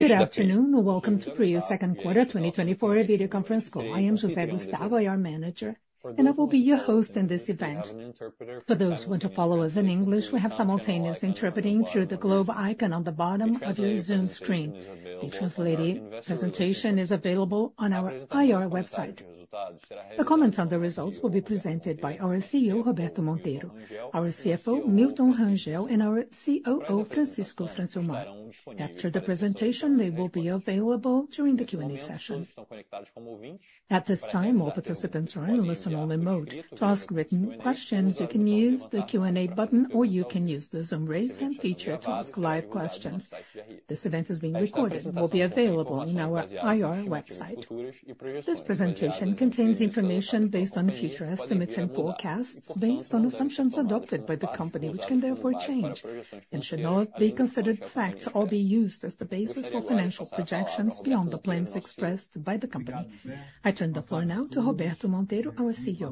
Good afternoon, and welcome to Prio's Q2 2024 Video Conference Call. I am José Gustavo, IR manager, and I will be your host in this event. For those who want to follow us in English, we have simultaneous interpreting through the globe icon on the bottom of your Zoom screen. The translated presentation is available on our IR website. The comments on the results will be presented by our CEO, Roberto Monteiro, our CFO, Milton Rangel, and our COO, Francilmar Fernandes. After the presentation, they will be available during the Q&A session. At this time, all participants are in listen-only mode. To ask written questions, you can use the Q&A button, or you can use the Zoom Raise Hand feature to ask live questions. This event is being recorded and will be available on our IR website. This presentation contains information based on future estimates and forecasts, based on assumptions adopted by the company, which can therefore change, and should not be considered facts or be used as the basis for financial projections beyond the plans expressed by the company. I turn the floor now to Roberto Monteiro, our CEO.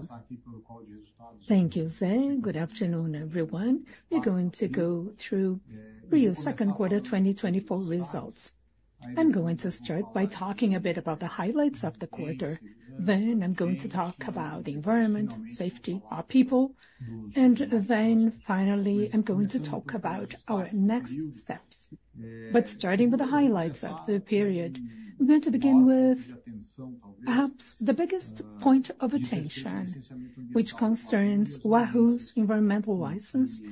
Thank you, Ze. Good afternoon, everyone. We're going to go through Prio's Q2 2024 results. I'm going to start by talking a bit about the highlights of the quarter, then I'm going to talk about the environment, safety, our people, and then finally, I'm going to talk about our next steps. Starting with the highlights of the period, I'm going to begin with perhaps the biggest point of attention, which concerns Wahoo's environmental license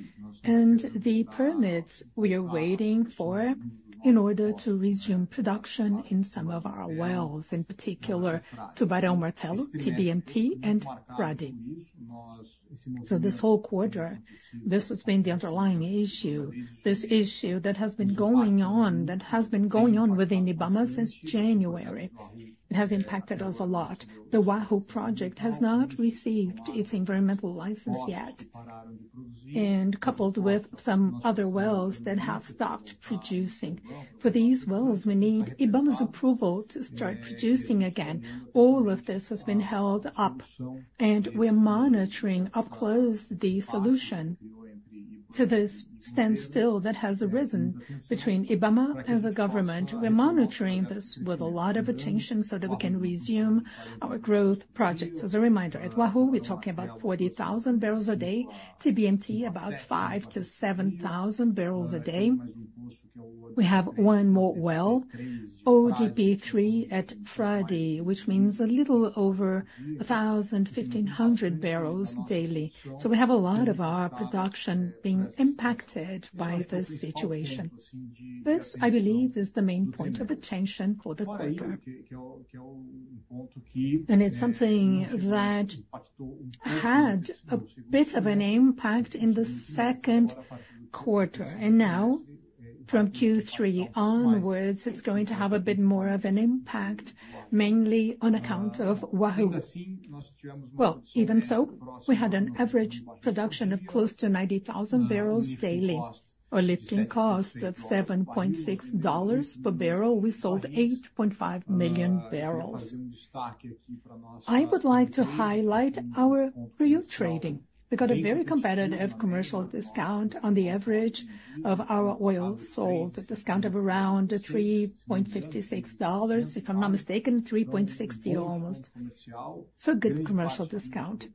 and the permits we are waiting for in order to resume production in some of our wells, in particular Tubarão Martelo, TBMT, and Frade. This whole quarter, this has been the underlying issue. This issue that has been going on, that has been going on within IBAMA since January, it has impacted us a lot. The Wahoo project has not received its environmental license yet, and coupled with some other wells that have stopped producing. For these wells, we need IBAMA's approval to start producing again. All of this has been held up, and we're monitoring up close the solution to this standstill that has arisen between IBAMA and the government. We're monitoring this with a lot of attention so that we can resume our growth projects. As a reminder, at Wahoo, we're talking about 40,000 barrels a day, TBMT, about 5,000-7,000 barrels a day. We have one more well, ODP-3 at Frade, which means a little over 1,000, 1,500 barrels daily. So we have a lot of our production being impacted by this situation. This, I believe, is the main point of attention for the quarter. And it's something that had a bit of an impact in the Q2, and now from Q3 onwards, it's going to have a bit more of an impact, mainly on account of Wahoo. Well, even so, we had an average production of close to 90,000 barrels daily, a lifting cost of $7.6 per barrel. We sold 8.5 million barrels. I would like to highlight our PRIO trading. We got a very competitive commercial discount on the average of our oil sold, a discount of around $3.56, if I'm not mistaken, $3.60 almost. So good commercial discount.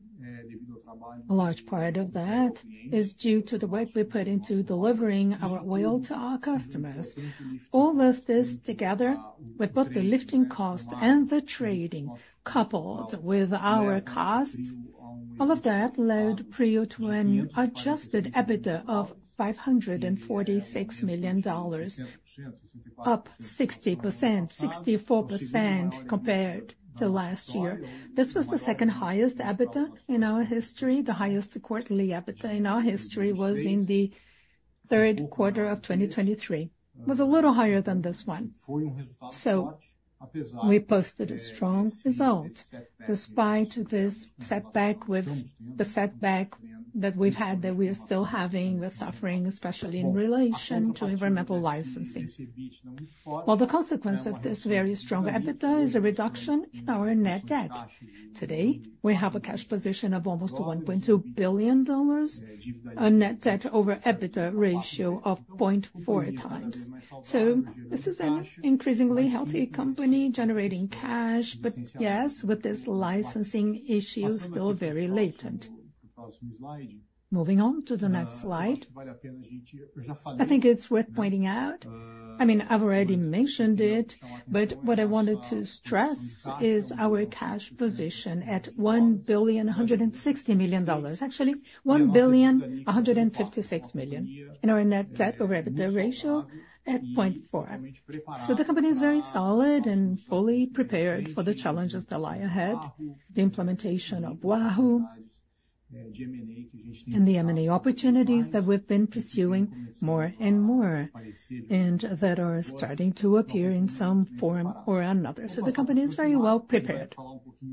A large part of that is due to the work we put into delivering our oil to our customers. All of this together, with both the lifting cost and the trading, coupled with our costs, all of that led PRIO to an Adjusted EBITDA of $546 million, up 60%–64% compared to last year. This was the second highest EBITDA in our history. The highest quarterly EBITDA in our history was in the third quarter of 2023. It was a little higher than this one. So we posted a strong result, despite this setback with the setback that we've had, that we are still having, we're suffering, especially in relation to environmental licensing. Well, the consequence of this very strong EBITDA is a reduction in our net debt. Today, we have a cash position of almost $1.2 billion, a net debt over EBITDA ratio of 0.4x. So this is an increasingly healthy company generating cash, but yes, with this licensing issue still very latent. Moving on to the next slide, I think it's worth pointing out... I mean, I've already mentioned it, but what I wanted to stress is our cash position at $1.16 billion. Actually, $1.156 billion, and our net debt over EBITDA ratio at 0.4. So the company is very solid and fully prepared for the challenges that lie ahead, the implementation of Wahoo ... and the M&A opportunities that we've been pursuing more and more, and that are starting to appear in some form or another. The company is very well prepared.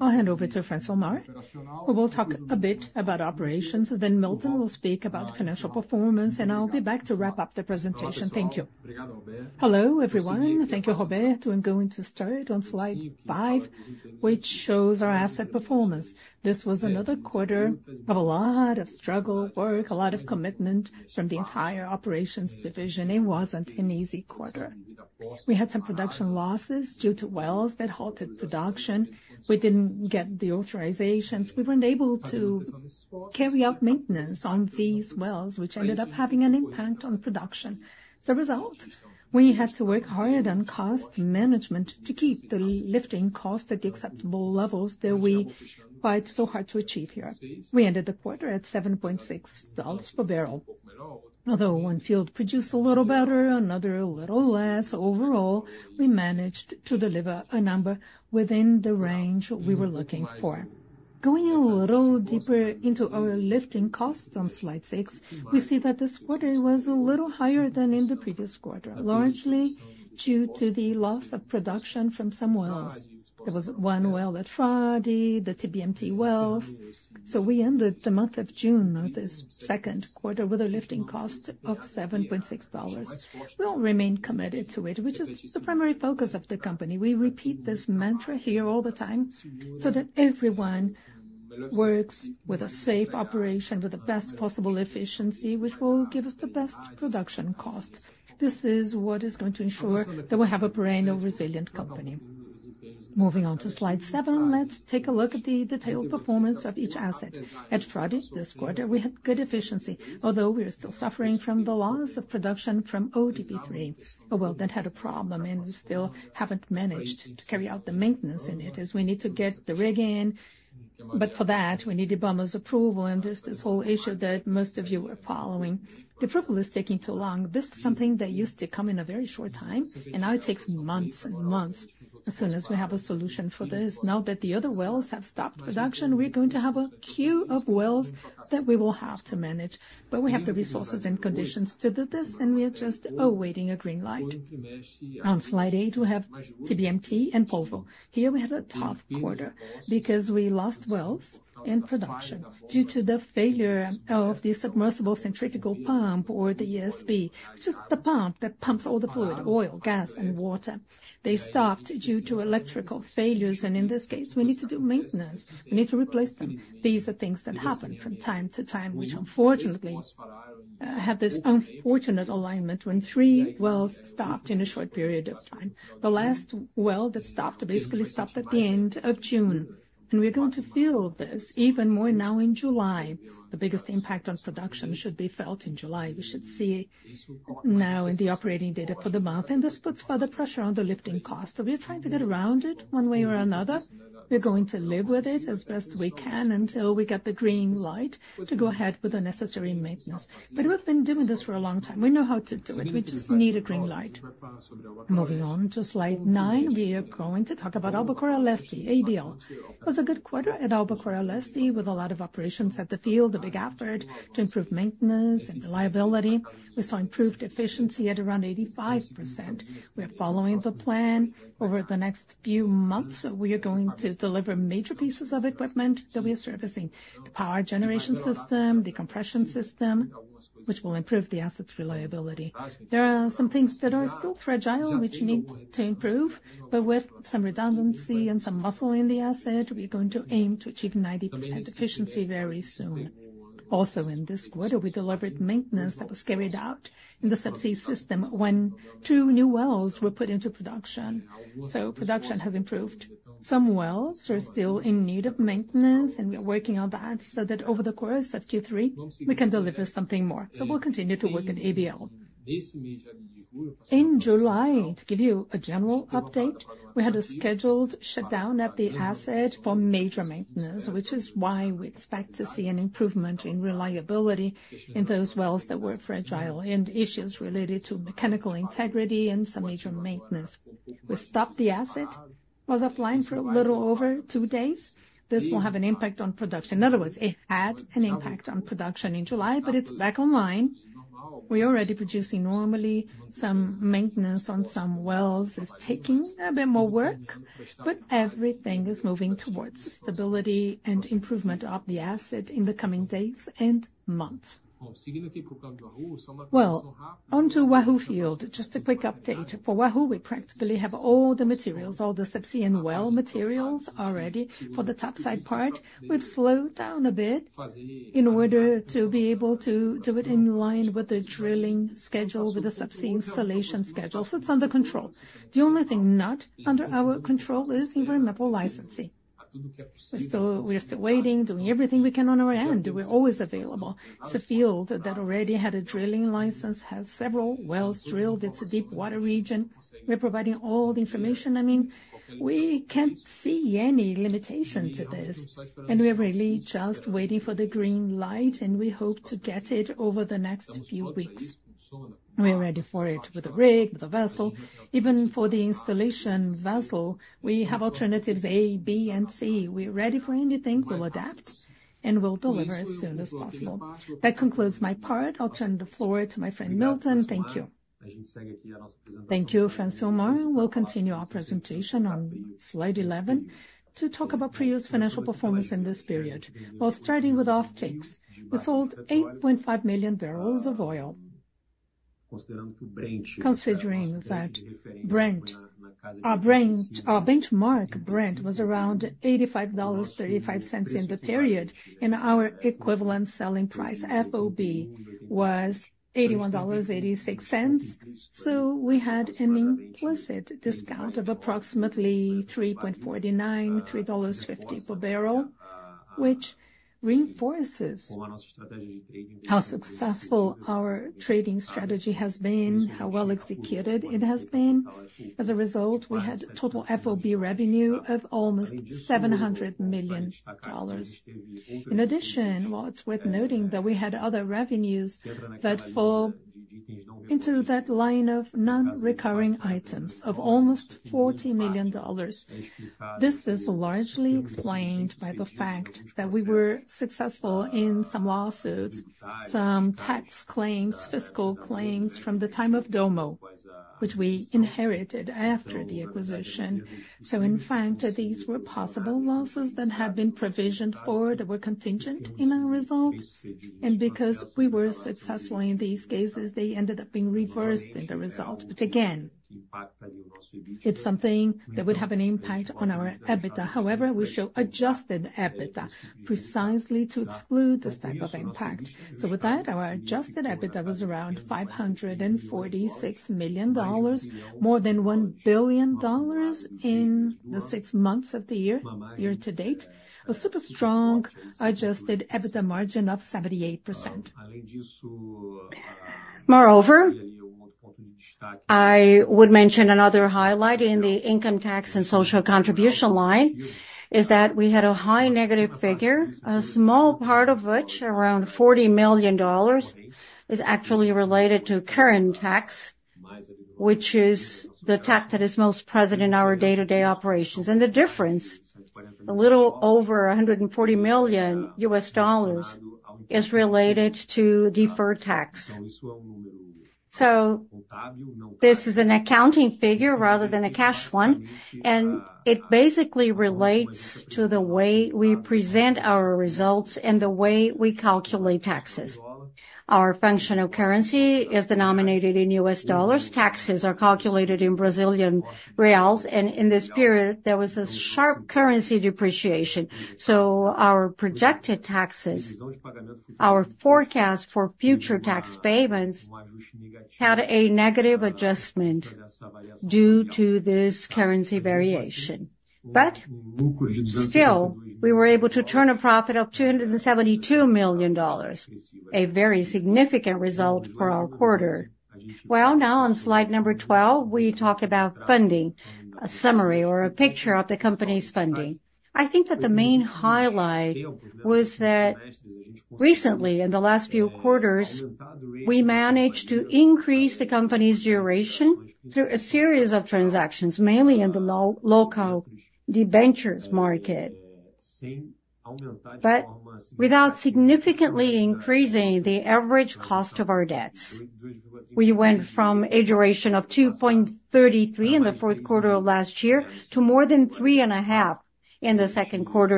I'll hand over to Francilmar, who will talk a bit about operations, then Milton will speak about financial performance, and I'll be back to wrap up the presentation. Thank you. Hello, everyone. Thank you, Roberto. I'm going to start on slide 5, which shows our asset performance. This was another quarter of a lot of struggle, work, a lot of commitment from the entire operations division. It wasn't an easy quarter. We had some production losses due to wells that halted production. We didn't get the authorizations. We weren't able to carry out maintenance on these wells, which ended up having an impact on production. As a result, we had to work harder on cost management to keep the lifting cost at the acceptable levels that we fight so hard to achieve here. We ended the quarter at $7.6 per barrel. Although one field produced a little better, another a little less, overall, we managed to deliver a number within the range we were looking for. Going a little deeper into our lifting costs on slide six, we see that this quarter was a little higher than in the previous quarter, largely due to the loss of production from some wells. There was one well at Frade, the TBMT wells. So we ended the month of June of this Q2 with a lifting cost of $7.6. We all remain committed to it, which is the primary focus of the company. We repeat this mantra here all the time, so that everyone works with a safe operation, with the best possible efficiency, which will give us the best production cost. This is what is going to ensure that we have a brand new, resilient company. Moving on to slide seven, let's take a look at the detailed performance of each asset. At Frade, this quarter, we had good efficiency, although we are still suffering from the loss of production from ODP3, a well that had a problem, and we still haven't managed to carry out the maintenance in it, as we need to get the rig in. But for that, we need IBAMA's approval, and there's this whole issue that most of you are following. The approval is taking too long. This is something that used to come in a very short time, and now it takes months and months. As soon as we have a solution for this, now that the other wells have stopped production, we're going to have a queue of wells that we will have to manage. But we have the resources and conditions to do this, and we are just awaiting a green light. On slide eight, we have TBMT and Polvo. Here we had a tough quarter because we lost wells and production due to the failure of the submersible centrifugal pump, or the ESP, which is the pump that pumps all the fluid, oil, gas, and water. They stopped due to electrical failures, and in this case, we need to do maintenance. We need to replace them. These are things that happen from time to time, which unfortunately have this unfortunate alignment when three wells stopped in a short period of time. The last well that stopped basically stopped at the end of June, and we're going to feel this even more now in July. The biggest impact on production should be felt in July. We should see now in the operating data for the month, and this puts further pressure on the lifting cost. So we are trying to get around it one way or another. We're going to live with it as best we can until we get the green light to go ahead with the necessary maintenance. But we've been doing this for a long time. We know how to do it. We just need a green light. Moving on to slide nine, we are going to talk about Albacora Leste, ABL. It was a good quarter at Albacora Leste, with a lot of operations at the field, a big effort to improve maintenance and reliability. We saw improved efficiency at around 85%. We are following the plan. Over the next few months, we are going to deliver major pieces of equipment that we are servicing, the power generation system, the compression system, which will improve the asset's reliability. There are some things that are still fragile, which need to improve, but with some redundancy and some muscle in the asset, we are going to aim to achieve 90% efficiency very soon. Also, in this quarter, we delivered maintenance that was carried out in the subsea system when two new wells were put into production. So production has improved. Some wells are still in need of maintenance, and we are working on that so that over the course of Q3, we can deliver something more. So we'll continue to work at ABL. In July, to give you a general update, we had a scheduled shutdown at the asset for major maintenance, which is why we expect to see an improvement in reliability in those wells that were fragile and issues related to mechanical integrity and some major maintenance. We stopped, the asset was offline for a little over two days. This will have an impact on production. In other words, it had an impact on production in July, but it's back online. We're already producing normally. Some maintenance on some wells is taking a bit more work, but everything is moving towards stability and improvement of the asset in the coming days and months. Well, on to Wahoo field. Just a quick update. For Wahoo, we practically have all the materials, all the subsea and well materials are ready for the topside part. We've slowed down a bit in order to be able to do it in line with the drilling schedule, with the subsea installation schedule, so it's under control. The only thing not under our control is environmental licensing. So we are still waiting, doing everything we can on our end. We're always available. It's a field that already had a drilling license, has several wells drilled. It's a deep water region. We're providing all the information. I mean, we can't see any limitation to this, and we're really just waiting for the green light, and we hope to get it over the next few weeks. We're ready for it, with the rig, with the vessel. Even for the installation vessel, we have alternatives A, B, and C. We're ready for anything. We'll adapt, and we'll deliver as soon as possible. That concludes my part. I'll turn the floor to my friend, Milton. Thank you.... Thank you, Francilmar. We'll continue our presentation on slide 11, to talk about PetroRio's financial performance in this period. While starting with offtakes, we sold 8.5 million barrels of oil. Considering that Brent, our benchmark Brent, was around $85.35 in the period, and our equivalent selling price, FOB, was $81.86. So we had an implicit discount of approximately 3.49, $3.50 per barrel, which reinforces how successful our trading strategy has been, how well executed it has been. As a result, we had total FOB revenue of almost $700 million. In addition, well, it's worth noting that we had other revenues that fall into that line of non-recurring items of almost $40 million. This is largely explained by the fact that we were successful in some lawsuits, some tax claims, fiscal claims from the time of Dommo, which we inherited after the acquisition. So in fact, these were possible losses that had been provisioned for, that were contingent in our result. And because we were successful in these cases, they ended up being reversed in the result. But again, it's something that would have an impact on our EBITDA. However, we show adjusted EBITDA, precisely to exclude this type of impact. So with that, our adjusted EBITDA was around $546 million, more than $1 billion in the six months of the year, year to date. A super strong adjusted EBITDA margin of 78%. Moreover, I would mention another highlight in the income tax and social contribution line, is that we had a high negative figure, a small part of which, around $40 million, is actually related to current tax. Which is the tax that is most present in our day-to-day operations. And the difference, a little over $140 million, is related to deferred tax. So this is an accounting figure rather than a cash one, and it basically relates to the way we present our results and the way we calculate taxes. Our functional currency is denominated in U.S. dollars. Taxes are calculated in Brazilian reais, and in this period, there was a sharp currency depreciation. So our projected taxes, our forecast for future tax payments, had a negative adjustment due to this currency variation. But still, we were able to turn a profit of $272 million, a very significant result for our quarter. Well, now on slide number 12, we talk about funding, a summary or a picture of the company's funding. I think that the main highlight was that recently, in the last few quarters, we managed to increase the company's duration through a series of transactions, mainly in the local debentures market. But without significantly increasing the average cost of our debts. We went from a duration of 2.33 in the Q4 of last year, to more than 3.5 in Q2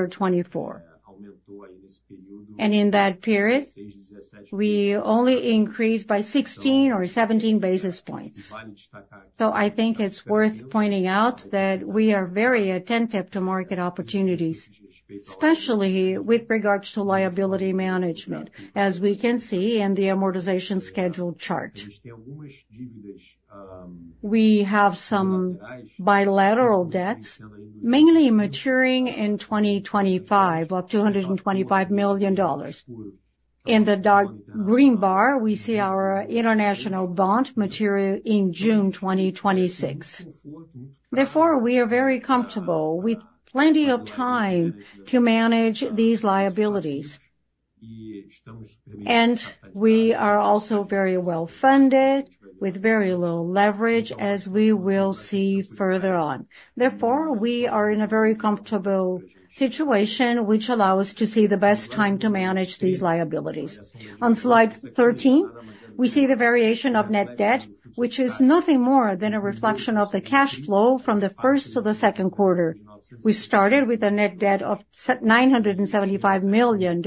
of 2024. And in that period, we only increased by 16 or 17 basis points. I think it's worth pointing out that we are very attentive to market opportunities, especially with regards to liability management, as we can see in the amortization schedule chart. We have some bilateral debts, mainly maturing in 2025, of $225 million. In the dark green bar, we see our international bond maturing in June 2026. Therefore, we are very comfortable with plenty of time to manage these liabilities. We are also very well-funded, with very little leverage, as we will see further on. Therefore, we are in a very comfortable situation, which allows to see the best time to manage these liabilities. On slide 13, we see the variation of net debt, which is nothing more than a reflection of the cash flow from the first to the Q2. We started with a net debt of $975 million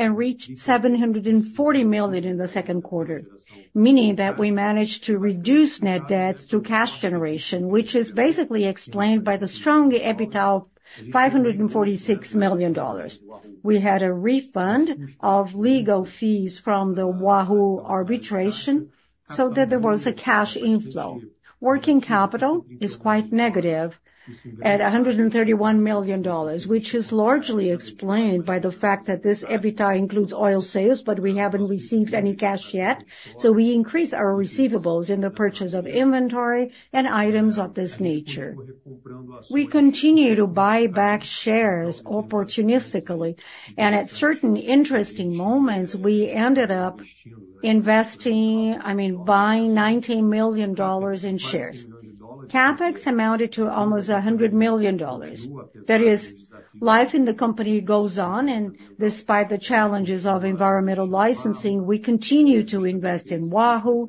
and reached $740 million in Q2, meaning that we managed to reduce net debts through cash generation, which is basically explained by the strong EBITDA of $546 million. We had a refund of legal fees from the Wahoo arbitration, so that there was a cash inflow. Working capital is quite negative at $131 million, which is largely explained by the fact that this EBITDA includes oil sales, but we haven't received any cash yet, so we increase our receivables in the purchase of inventory and items of this nature. We continue to buy back shares opportunistically, and at certain interesting moments, we ended up investing... I mean, buying $19 million in shares. CapEx amounted to almost $100 million. That is, life in the company goes on, and despite the challenges of environmental licensing, we continue to invest in Wahoo.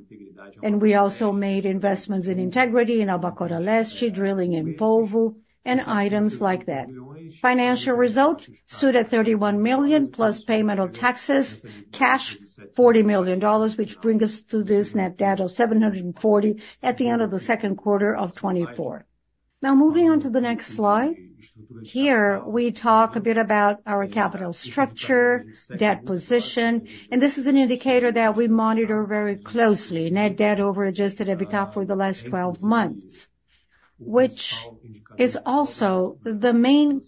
We also made investments in integrity, in Albacora Leste, drilling in Polvo, and items like that. Financial result stood at $31 million, plus payment of taxes, cash $40 million dollars, which bring us to this net debt of $740 million at the end of the Q2 of 2024. Now, moving on to the next slide. Here, we talk a bit about our capital structure, debt position, and this is an indicator that we monitor very closely. Net debt over adjusted EBITDA for the last twelve months, which is also the main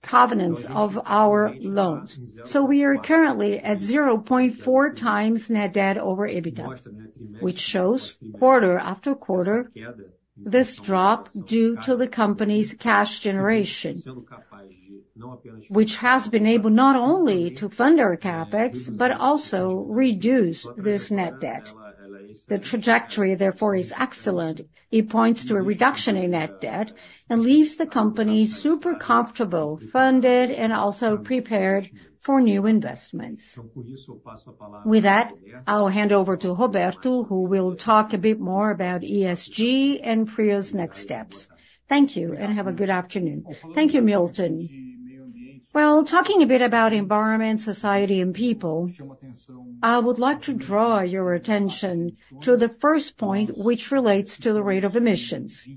covenants of our loans. So we are currently at 0.4 times net debt over EBITDA, which shows quarter after quarter, this drop due to the company's cash generation, which has been able not only to fund our CapEx, but also reduce this net debt. The trajectory, therefore, is excellent. It points to a reduction in net debt and leaves the company super comfortable, funded, and also prepared for new investments. With that, I'll hand over to Roberto, who will talk a bit more about ESG and Prio's next steps. Thank you, and have a good afternoon. Thank you, Milton. Well, talking a bit about environment, society and people, I would like to draw your attention to the first point, which relates to the rate of emissions.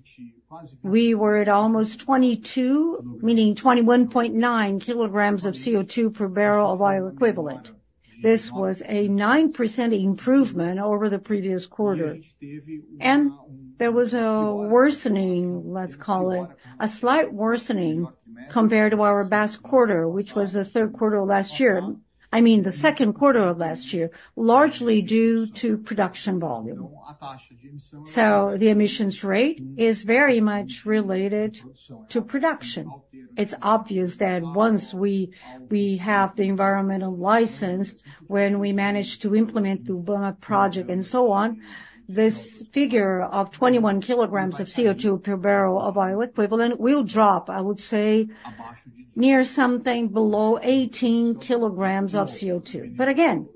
We were at almost 22, meaning 21.9Kgs of CO2 per barrel of oil equivalent. This was a 9% improvement over the previous quarter. There was a worsening, let's call it, a slight worsening compared to our best quarter, which was the third quarter of last year, I mean, the Q2 of last year, largely due to production volume. The emissions rate is very much related to production. It's obvious that once we have the environmental license, when we manage to implement the project and so on, this figure of 21Kgs of CO2 per barrel of oil equivalent will drop, I would say, near something below 18Kgs of CO2. But again,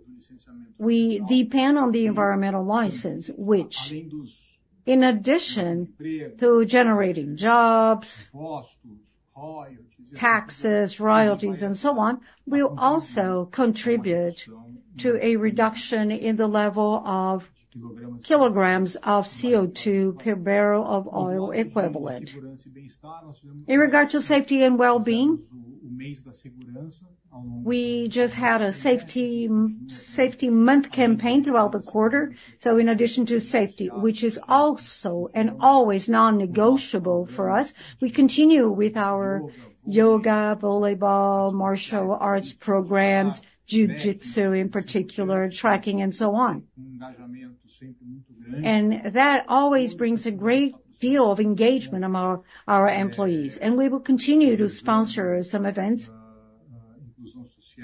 we depend on the environmental license, which in addition to generating jobs, taxes, royalties and so on, will also contribute to a reduction in the level of kilograms of CO2 per barrel of oil equivalent. In regard to safety and well-being, we just had a safety, safety month campaign throughout the quarter. So in addition to safety, which is also and always non-negotiable for us, we continue with our yoga, volleyball, martial arts programs, jiu-jitsu, in particular, trekking and so on. And that always brings a great deal of engagement among our, our employees, and we will continue to sponsor some events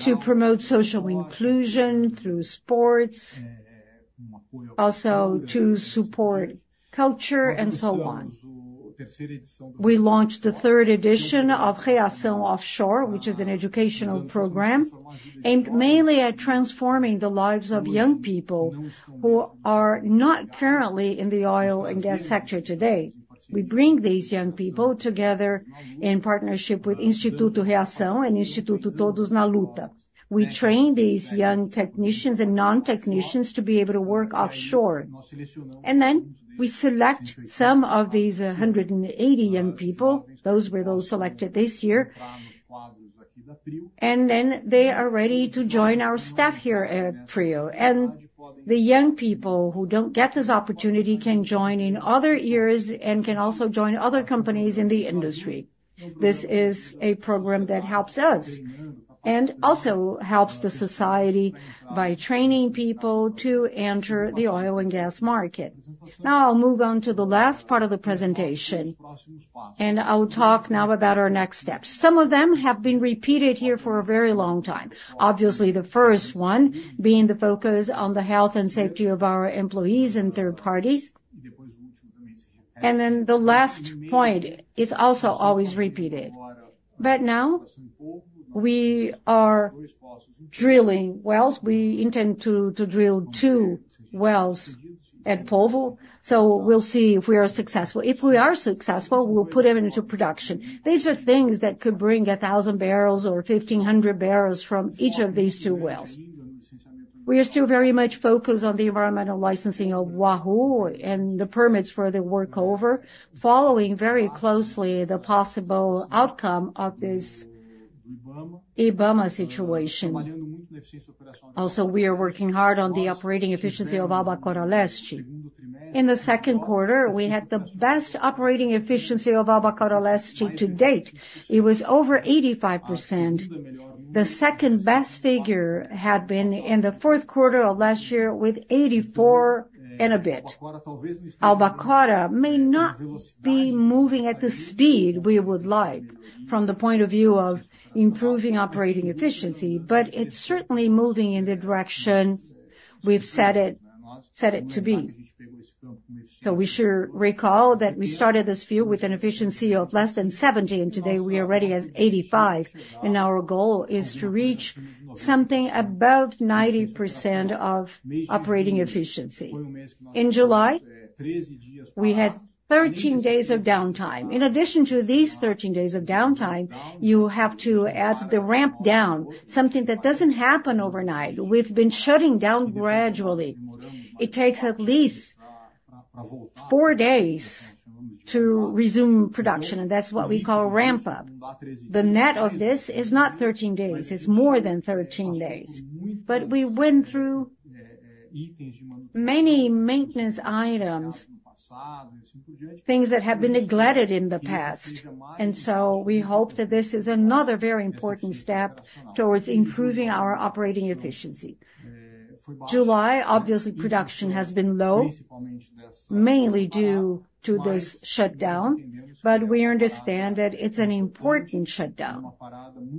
to promote social inclusion through sports, also to support culture and so on. We launched the third edition of Reação Offshore, which is an educational program, aimed mainly at transforming the lives of young people who are not currently in the oil and gas sector today. We bring these young people together in partnership with Instituto Reação and Instituto Todos na Luta. We train these young technicians and non-technicians to be able to work offshore, and then we select some of these, 180 young people. Those were those selected this year, and then they are ready to join our staff here at PRIO. The young people who don't get this opportunity can join in other years and can also join other companies in the industry. This is a program that helps us and also helps the society by training people to enter the oil and gas market. Now, I'll move on to the last part of the presentation, and I'll talk now about our next steps. Some of them have been repeated here for a very long time. Obviously, the first one being the focus on the health and safety of our employees and third parties. Then the last point is also always repeated. But now, we are drilling wells. We intend to drill two wells at Polvo, so we'll see if we are successful. If we are successful, we'll put them into production. These are things that could bring 1,000 barrels or 1,500 barrels from each of these two wells. We are still very much focused on the environmental licensing of Wahoo and the permits for the workover, following very closely the possible outcome of this IBAMA situation. Also, we are working hard on the operating efficiency of Albacora Leste. In Q2, we had the best operating efficiency of Albacora Leste to date. It was over 85%. The second-best figure had been in Q4 of last year with 84% and a bit. Albacora may not be moving at the speed we would like from the point of view of improving operating efficiency, but it's certainly moving in the direction we've set it to be. So we sure recall that we started this field with an efficiency of less than 70, and today we are already at 85, and our goal is to reach something above 90% operating efficiency. In July, we had 13 days of downtime. In addition to these 13 days of downtime, you have to add the ramp down, something that doesn't happen overnight. We've been shutting down gradually. It takes at least four days to resume production, and that's what we call ramp up. The net of this is not 13 days, it's more than 13 days. But we went through many maintenance items, things that have been neglected in the past, and so we hope that this is another very important step towards improving our operating efficiency. July, obviously, production has been low, mainly due to this shutdown, but we understand that it's an important shutdown,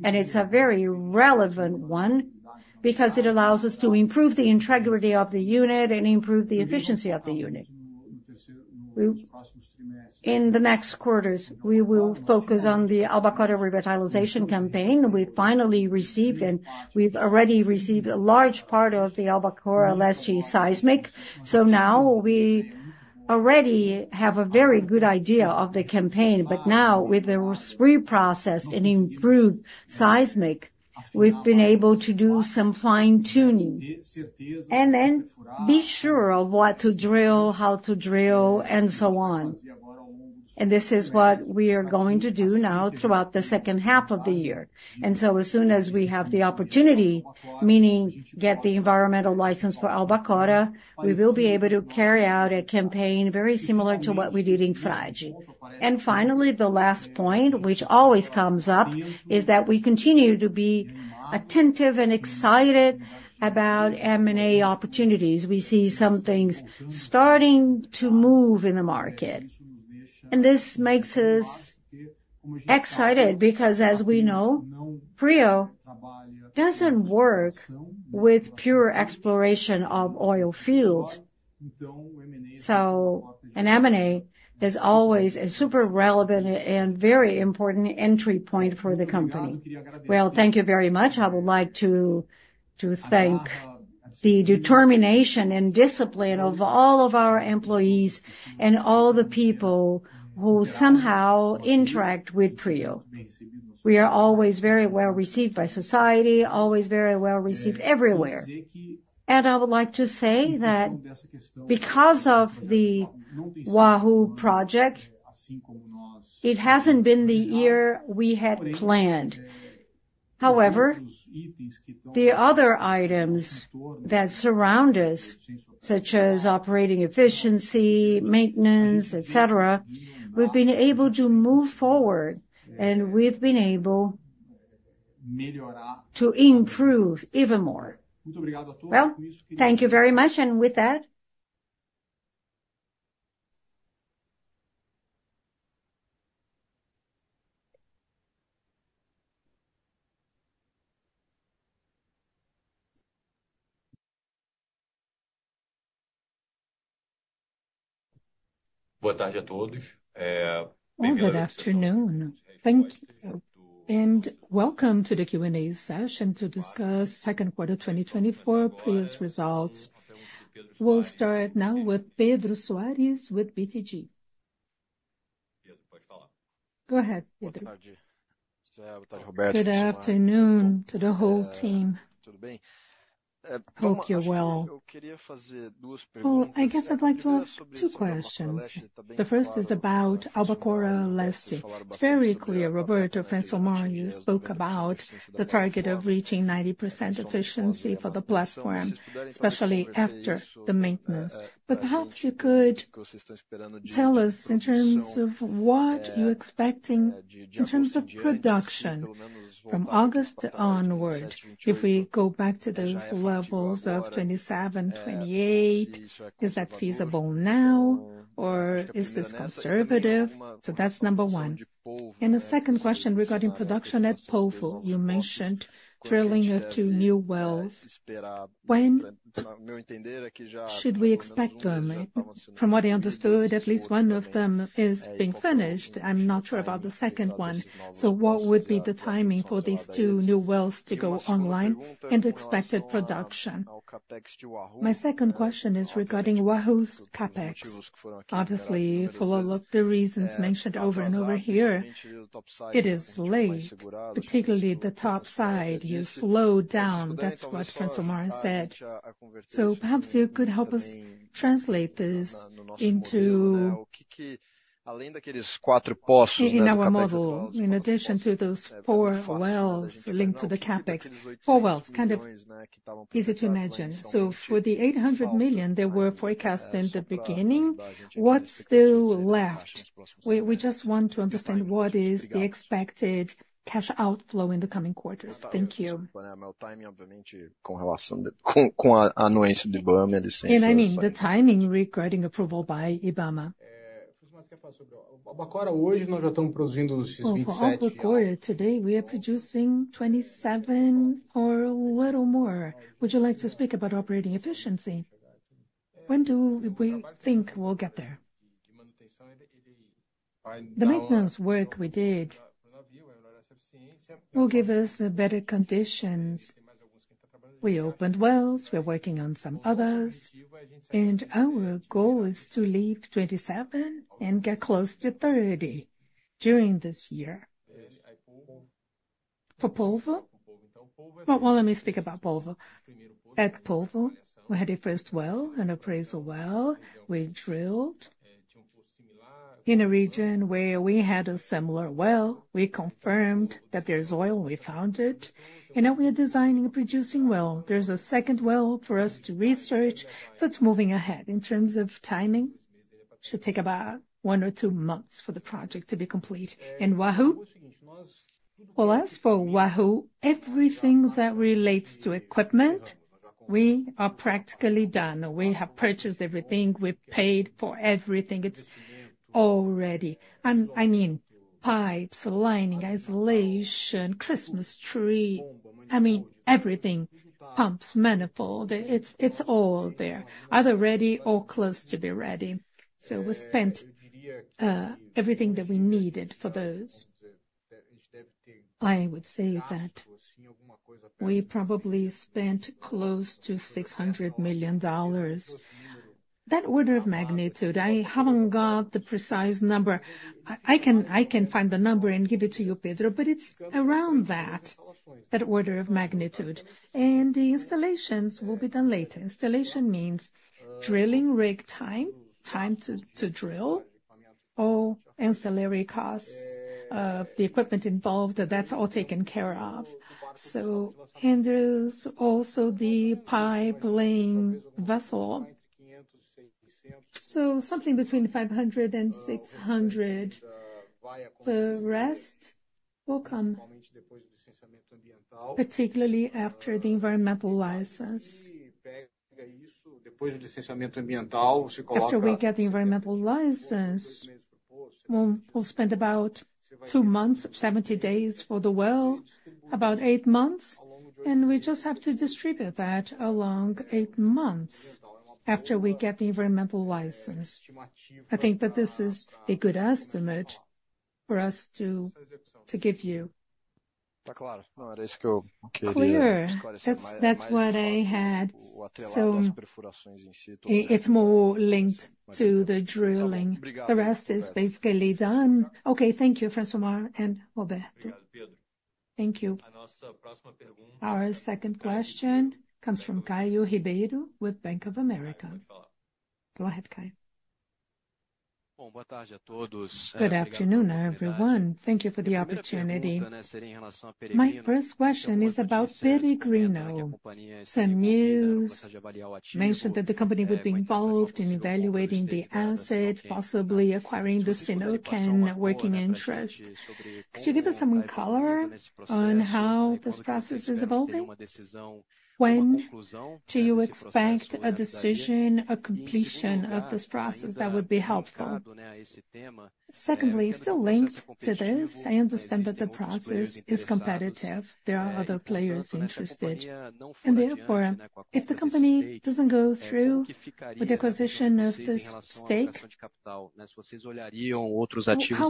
and it's a very relevant one, because it allows us to improve the integrity of the unit and improve the efficiency of the unit. We—in the next quarters, we will focus on the Albacora revitalization campaign. We've finally received and we've already received a large part of the Albacora Leste seismic. So now we already have a very good idea of the campaign. But now, with the reprocessed and improved seismic, we've been able to do some fine-tuning, and then be sure of what to drill, how to drill, and so on. This is what we are going to do now throughout the second half of the year. So as soon as we have the opportunity, meaning get the environmental license for Albacora, we will be able to carry out a campaign very similar to what we did in Frade. Finally, the last point, which always comes up, is that we continue to be attentive and excited about M&A opportunities. We see some things starting to move in the market, and this makes us excited because, as we know, Prio doesn't work with pure exploration of oil fields. So an M&A is always a super relevant and very important entry point for the company. Well, thank you very much. I would like to thank the determination and discipline of all of our employees and all the people who somehow interact with Prio. We are always very well received by society, always very well received everywhere. And I would like to say that because of the Wahoo project, it hasn't been the year we had planned. However, the other items that surround us, such as operating efficiency, maintenance, et cetera, we've been able to move forward, and we've been able to improve even more. Well, thank you very much. And with that... Good afternoon. Thank you, and welcome to the Q&A session to discuss Q2 2024 PRIO's results. We'll start now with Pedro Soares with BTG. Go ahead, Pedro. Good afternoon to the whole team. Hope you're well. Well, I guess I'd like to ask two questions. The first is about Albacora Leste. It's very clear, Roberto, Francilmar, you spoke about the target of reaching 90% efficiency for the platform, especially after the maintenance. But perhaps you could tell us in terms of what you're expecting in terms of production from August onward, if we go back to those levels of 27, 28, is that feasible now, or is this conservative? So that's number one. And the second question regarding production at Polvo, you mentioned drilling of two new wells. When should we expect them? From what I understood, at least one of them is being finished. I'm not sure about the second one. So what would be the timing for these two new wells to go online and expected production? My second question is regarding Wahoo's CapEx. Obviously, for a lot the reasons mentioned over and over here, it is late, particularly the topside, you slowed down. That's what Francilmar Fernandes said. So perhaps you could help us translate this into… in our model, in addition to those four wells linked to the CapEx. Four wells, kind of easy to imagine. So for the $800 million that were forecast in the beginning, what's still left? We, we just want to understand what is the expected cash outflow in the coming quarters. Thank you. I mean, the timing regarding approval by IBAMA. ...Well, for Albacora, today we are producing 27 or a little more. Would you like to speak about operating efficiency? When do we think we'll get there? The maintenance work we did will give us better conditions. We opened wells, we're working on some others, and our goal is to leave 27 and get close to 30 during this year. For Polvo? Well, well, let me speak about Polvo. At Polvo, we had a first well, an appraisal well. We drilled in a region where we had a similar well. We confirmed that there's oil, we found it, and now we are designing a producing well. There's a second well for us to research, so it's moving ahead. In terms of timing, should take about 1 or 2 months for the project to be complete. And Wahoo? Well, as for Wahoo, everything that relates to equipment, we are practically done. We have purchased everything, we've paid for everything. It's all ready. And I mean, pipes, lining, isolation, Christmas tree. I mean everything, pumps, manifold, it's all there, either ready or close to be ready. So we spent everything that we needed for those. I would say that we probably spent close to $600 million. That order of magnitude, I haven't got the precise number. I can find the number and give it to you, Pedro, but it's around that order of magnitude. And the installations will be done later. Installation means drilling rig time, time to drill, all ancillary costs of the equipment involved, that's all taken care of. So and there's also the pipe laying vessel. So something between $500 and 600 million. The rest will come, particularly after the environmental license. After we get the environmental license, we'll spend about two months, 70 days for the well, about eight months, and we just have to distribute that along eight months after we get the environmental license. I think that this is a good estimate for us to give you. Clear. That's, that's what I had. So it's more linked to the drilling. The rest is basically done. Okay. Thank you, Francilmar and Roberto. Thank you. Our second question comes from Caio Ribeiro with Bank of America. Go ahead, Caio. Good afternoon, everyone. Thank you for the opportunity. My first question is about Peregrino. Some news mentioned that the company would be involved in evaluating the asset, possibly acquiring the Sinochem working interest. Could you give us some more color on how this process is evolving? When do you expect a decision, a completion of this process? That would be helpful. Secondly, still linked to this, I understand that the process is competitive. There are other players interested. And therefore, if the company doesn't go through with the acquisition of this stake, how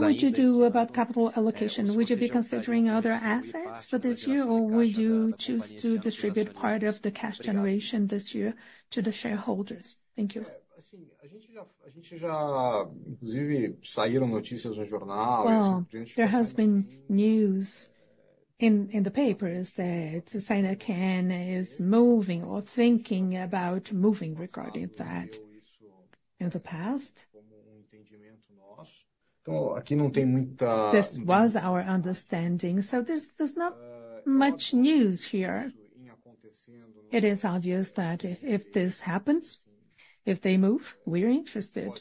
would you do about capital allocation? Would you be considering other assets for this year, or would you choose to distribute part of the cash generation this year to the shareholders? Thank you. Well, there has been news in the papers that Sinochem is moving or thinking about moving regarding that. In the past, this was our understanding, so there's not much news here. It is obvious that if this happens, if they move, we're interested.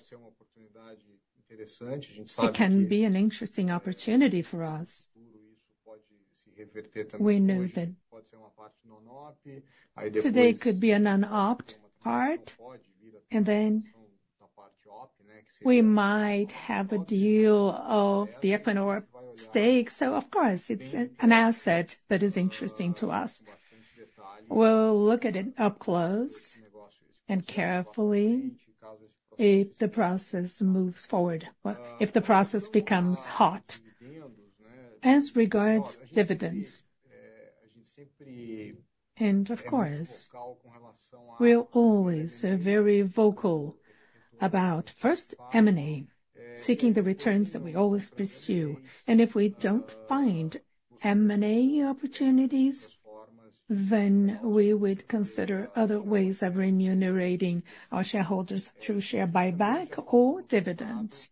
It can be an interesting opportunity for us. We know that today could be a non-op part, and then we might have a deal of the Equinor stake. So of course, it's an asset that is interesting to us. We'll look at it up close and carefully if the process moves forward, well, if the process becomes hot. As regards dividends, and of course, we're always very vocal about first, M&A, seeking the returns that we always pursue. And if we don't find M&A opportunities, then we would consider other ways of remunerating our shareholders through share buyback or dividends.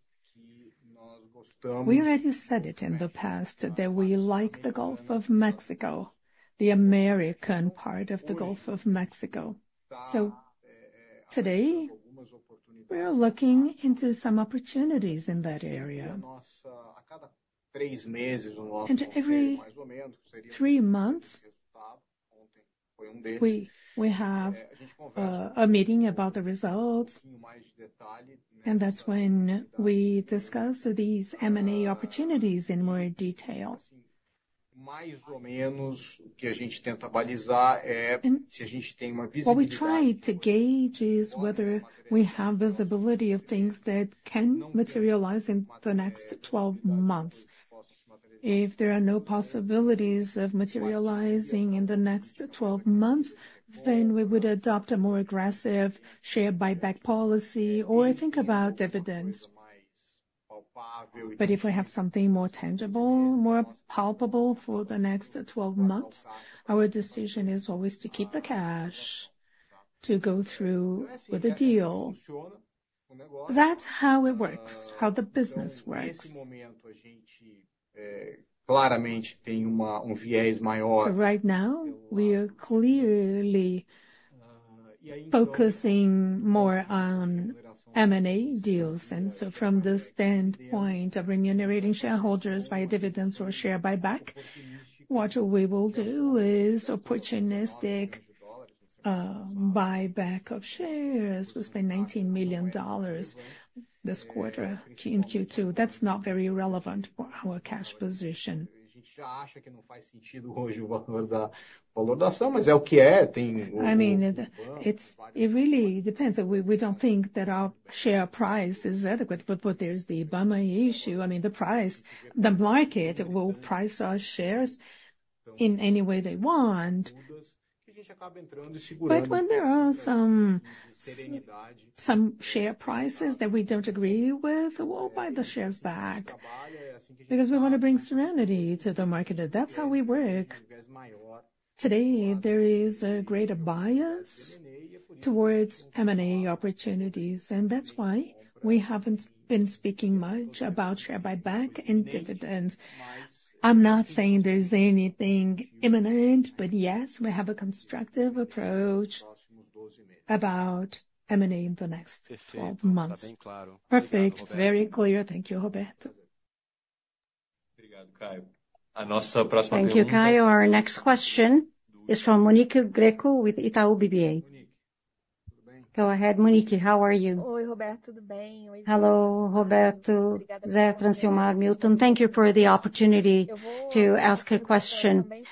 We already said it in the past that we like the Gulf of Mexico, the American part of the Gulf of Mexico. So today, we are looking into some opportunities in that area. Every three months, we have a meeting about the results, and that's when we discuss these M&A opportunities in more detail. What we try to gauge is whether we have visibility of things that can materialize in the next 12 months. If there are no possibilities of materializing in the next 12 months, then we would adopt a more aggressive share buyback policy, or think about dividends. But if we have something more tangible, more palpable for the next 12 months, our decision is always to keep the cash, to go through with the deal. That's how it works, how the business works. So right now, we are clearly focusing more on M&A deals. From the standpoint of remunerating shareholders via dividends or share buyback, what we will do is opportunistic buyback of shares. We spent $19 million this quarter, in Q2. That's not very relevant for our cash position. I mean, it's – it really depends. We don't think that our share price is adequate, but there's the IBAMA issue. I mean, the price, the market will price our shares in any way they want. But when there are some share prices that we don't agree with, we'll buy the shares back, because we want to bring serenity to the market. That's how we work. Today, there is a greater bias towards M&A opportunities, and that's why we haven't been speaking much about share buyback and dividends. I'm not saying there's anything imminent, but yes, we have a constructive approach about M&A in the next 12 months. Perfect. Very clear. Thank you, Roberto. Thank you, Caio. Our next question is from Monique Greco with Itaú BBA. Go ahead, Monique. How are you? Hello, Roberto, José, Francilmar, Milton. Thank you for the opportunity to ask a question.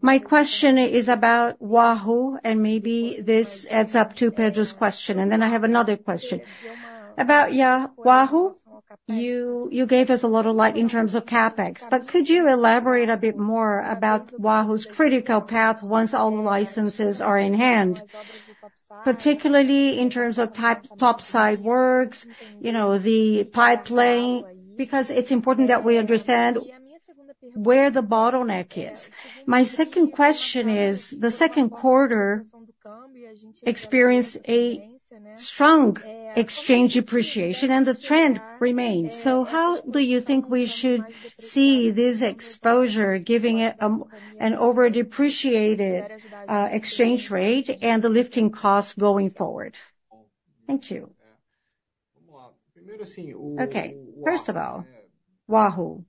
My question is about Wahoo, and maybe this adds up to Pedro's question, and then I have another question. About, yeah, Wahoo, you, you gave us a lot of light in terms of CapEx, but could you elaborate a bit more about Wahoo's critical path once all the licenses are in hand, particularly in terms of type, topside works, you know, the pipeline? Because it's important that we understand where the bottleneck is. My second question is, the Q2 experienced a strong exchange appreciation, and the trend remains. So how do you think we should see this exposure, giving it an over-depreciated exchange rate and the lifting costs going forward? Thank you. Okay, first of all, Wahoo.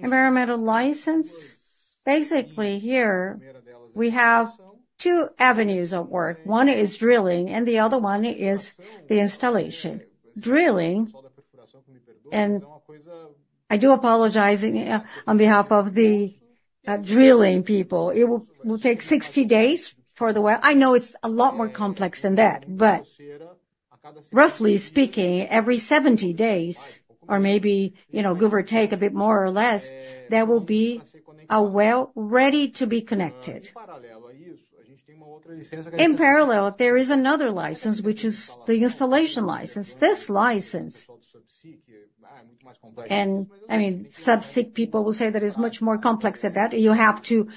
Environmental license, basically, here we have two avenues at work. One is drilling, and the other one is the installation. Drilling, and I do apologize on behalf of the drilling people, it will take 60 days for the well. I know it's a lot more complex than that, but roughly speaking, every 70 days, or maybe, you know, give or take a bit more or less, there will be a well ready to be connected. In parallel, there is another license, which is the installation license. This license, and, I mean, subsea people will say that it's much more complex than that. You have to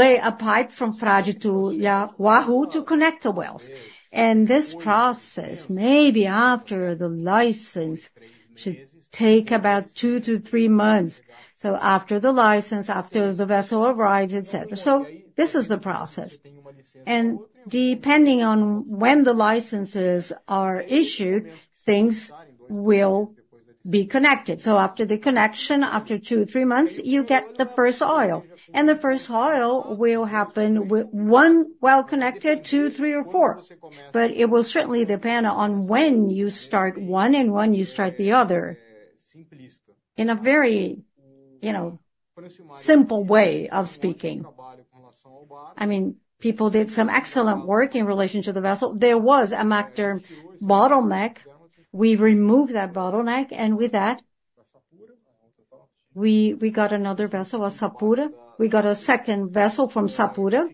lay a pipe from Frade to, yeah, Wahoo to connect the wells. And this process, maybe after the license, should take about two-three months. So after the license, after the vessel arrives, et cetera. So this is the process. And depending on when the licenses are issued, things will be connected. So after the connection, after two-three months, you get the first oil. And the first oil will happen with one well connected, two, three or four. But it will certainly depend on when you start one, and when you start the other. In a very, you know, simple way of speaking, I mean, people did some excellent work in relation to the vessel. There was a matter, bottleneck. We removed that bottleneck, and with that, we got another vessel, a Sapura. We got a second vessel from Sapura.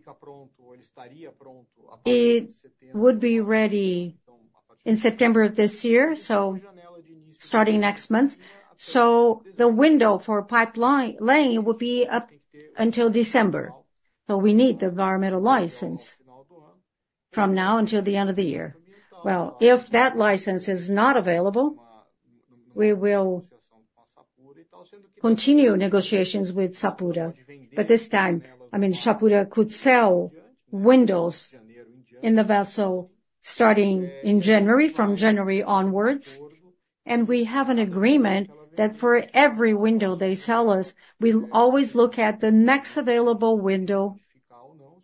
It would be ready in September of this year, so starting next month. So the window for pipeline laying would be up until December, but we need the environmental license from now until the end of the year. Well, if that license is not available, we will continue negotiations with Sapura, but this time, I mean, Sapura could sell windows in the vessel starting in January, from January onwards.... We have an agreement that for every window they sell us, we'll always look at the next available window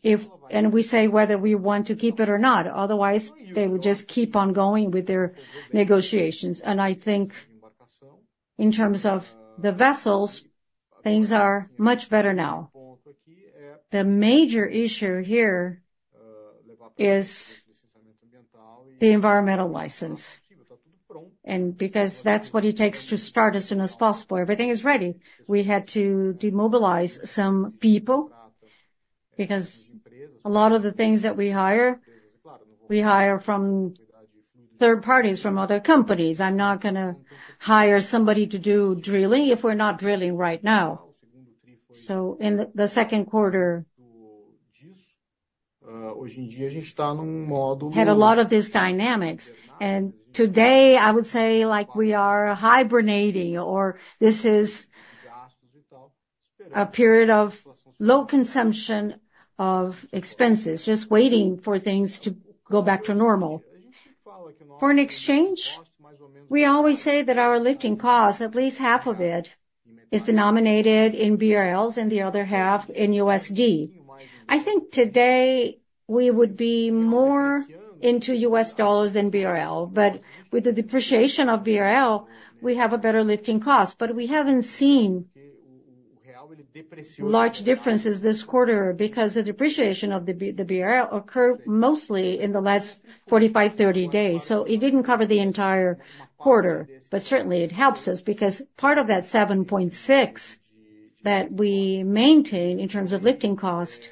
if, and we say whether we want to keep it or not. Otherwise, they would just keep on going with their negotiations. And I think in terms of the vessels, things are much better now. The major issue here is the environmental license, and because that's what it takes to start as soon as possible. Everything is ready. We had to demobilize some people, because a lot of the things that we hire, we hire from third parties, from other companies. I'm not gonna hire somebody to do drilling, if we're not drilling right now. So in the Q2, had a lot of these dynamics, and today, I would say, like, we are hibernating, or this is a period of low consumption of expenses, just waiting for things to go back to normal. For an exchange, we always say that our lifting costs, at least half of it, is denominated in BRL and the other half in USD. I think today we would be more into US dollars than BRL, but with the depreciation of BRL, we have a better lifting cost. But we haven't seen large differences this quarter because the depreciation of the BRL occurred mostly in the last 45, 30 days, so it didn't cover the entire quarter. But certainly, it helps us because part of that $7.6 that we maintain in terms of lifting cost,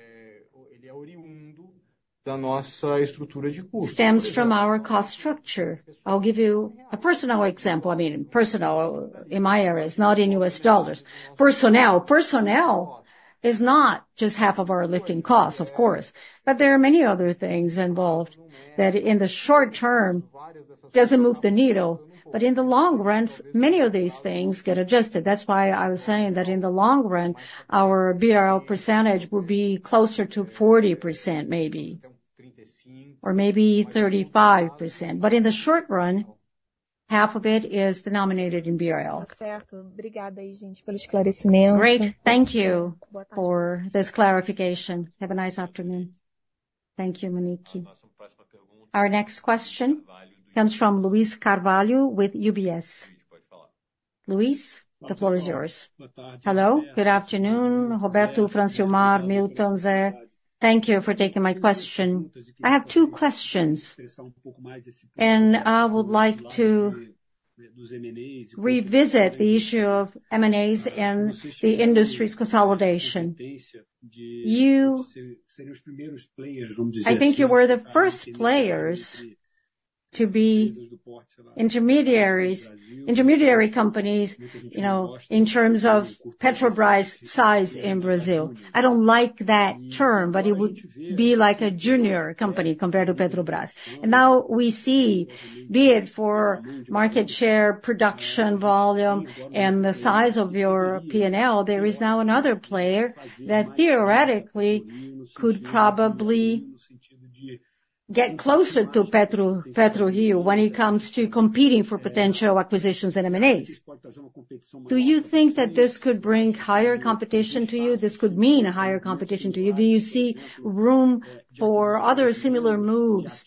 stems from our cost structure. I'll give you a personal example. I mean, personal in my areas, not in US dollars. Personnel. Personnel is not just half of our lifting costs, of course, but there are many other things involved that in the short term, doesn't move the needle, but in the long run, many of these things get adjusted. That's why I was saying that in the long run, our BRL percentage will be closer to 40%, maybe. Or maybe 35%, but in the short run, half of it is denominated in BRL. Great. Thank you for this clarification. Have a nice afternoon. Thank you, Monique. Our next question comes from Luiz Carvalho with UBS. Luis, the floor is yours. Hello, good afternoon, Roberto, Francilmar, Milton, Ze. Thank you for taking my question. I have two questions, and I would like to revisit the issue of M&As and the industry's consolidation. You, I think you were the first players to be intermediaries, intermediary companies, you know, in terms of Petrobras' size in Brazil. I don't like that term, but it would be like a junior company compared to Petrobras. Now we see, be it for market share, production volume, and the size of your P&L, there is now another player that theoretically could probably get closer to PetroRio when it comes to competing for potential acquisitions and M&As. Do you think that this could bring higher competition to you? This could mean a higher competition to you. Do you see room for other similar moves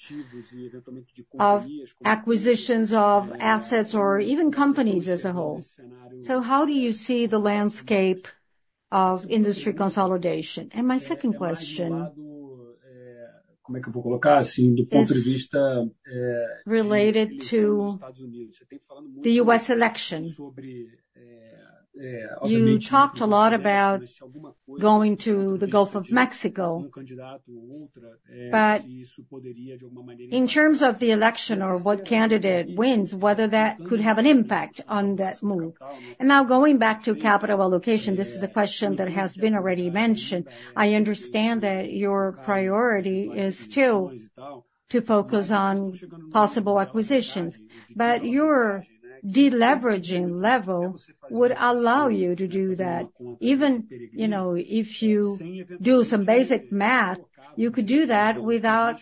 of acquisitions of assets or even companies as a whole? So how do you see the landscape of industry consolidation? And my second question is related to the U.S. election. You talked a lot about going to the Gulf of Mexico, but in terms of the election or what candidate wins, whether that could have an impact on that move. Now going back to capital allocation, this is a question that has been already mentioned. I understand that your priority is still to focus on possible acquisitions, but your deleveraging level would allow you to do that. Even, you know, if you do some basic math, you could do that without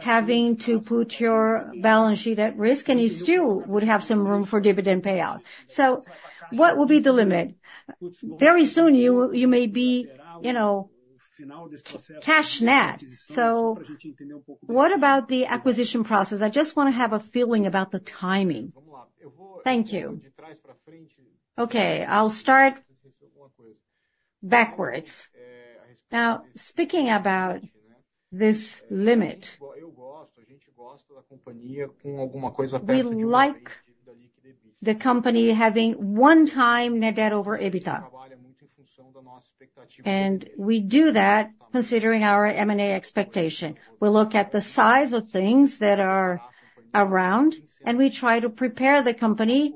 having to put your balance sheet at risk, and you still would have some room for dividend payout. So what will be the limit? Very soon, you, you may be, you know, cash net. So what about the acquisition process? I just wanna have a feeling about the timing. Thank you. Okay, I'll start backwards. Now, speaking about this limit, we like the company having 1x net debt over EBITDA, and we do that considering our M&A expectation. We look at the size of things that are around, and we try to prepare the company,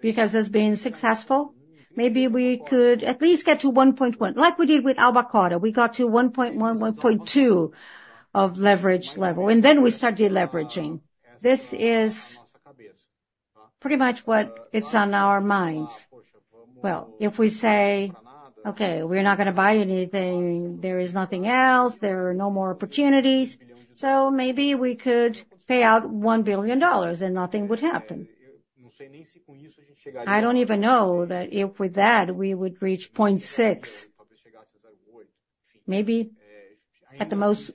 because as being successful, maybe we could at least get to 1.1, like we did with Albacora. We got to 1.1, 1.2 of leverage level, and then we start deleveraging. This is pretty much what it's on our minds.... Well, if we say, okay, we're not gonna buy anything, there is nothing else, there are no more opportunities, so maybe we could pay out $1 billion and nothing would happen. I don't even know that if with that, we would reach 0.6. Maybe at the most,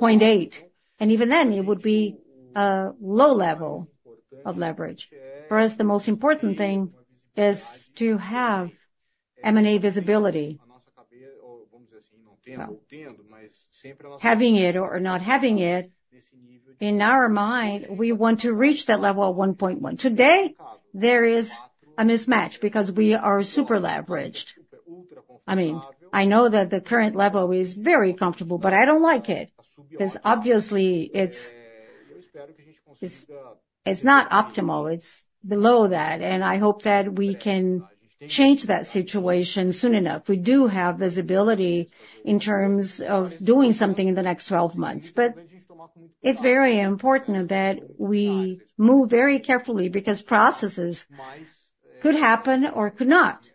0.8, and even then, it would be a low level of leverage. For us, the most important thing is to have M&A visibility. Having it or, or not having it, in our mind, we want to reach that level of 1.1. Today, there is a mismatch because we are super leveraged. I mean, I know that the current level is very comfortable, but I don't like it, 'cause obviously, it's, it's, it's not optimal, it's below that, and I hope that we can change that situation soon enough. We do have visibility in terms of doing something in the next 12 months, but it's very important that we move very carefully, because processes could happen or could not.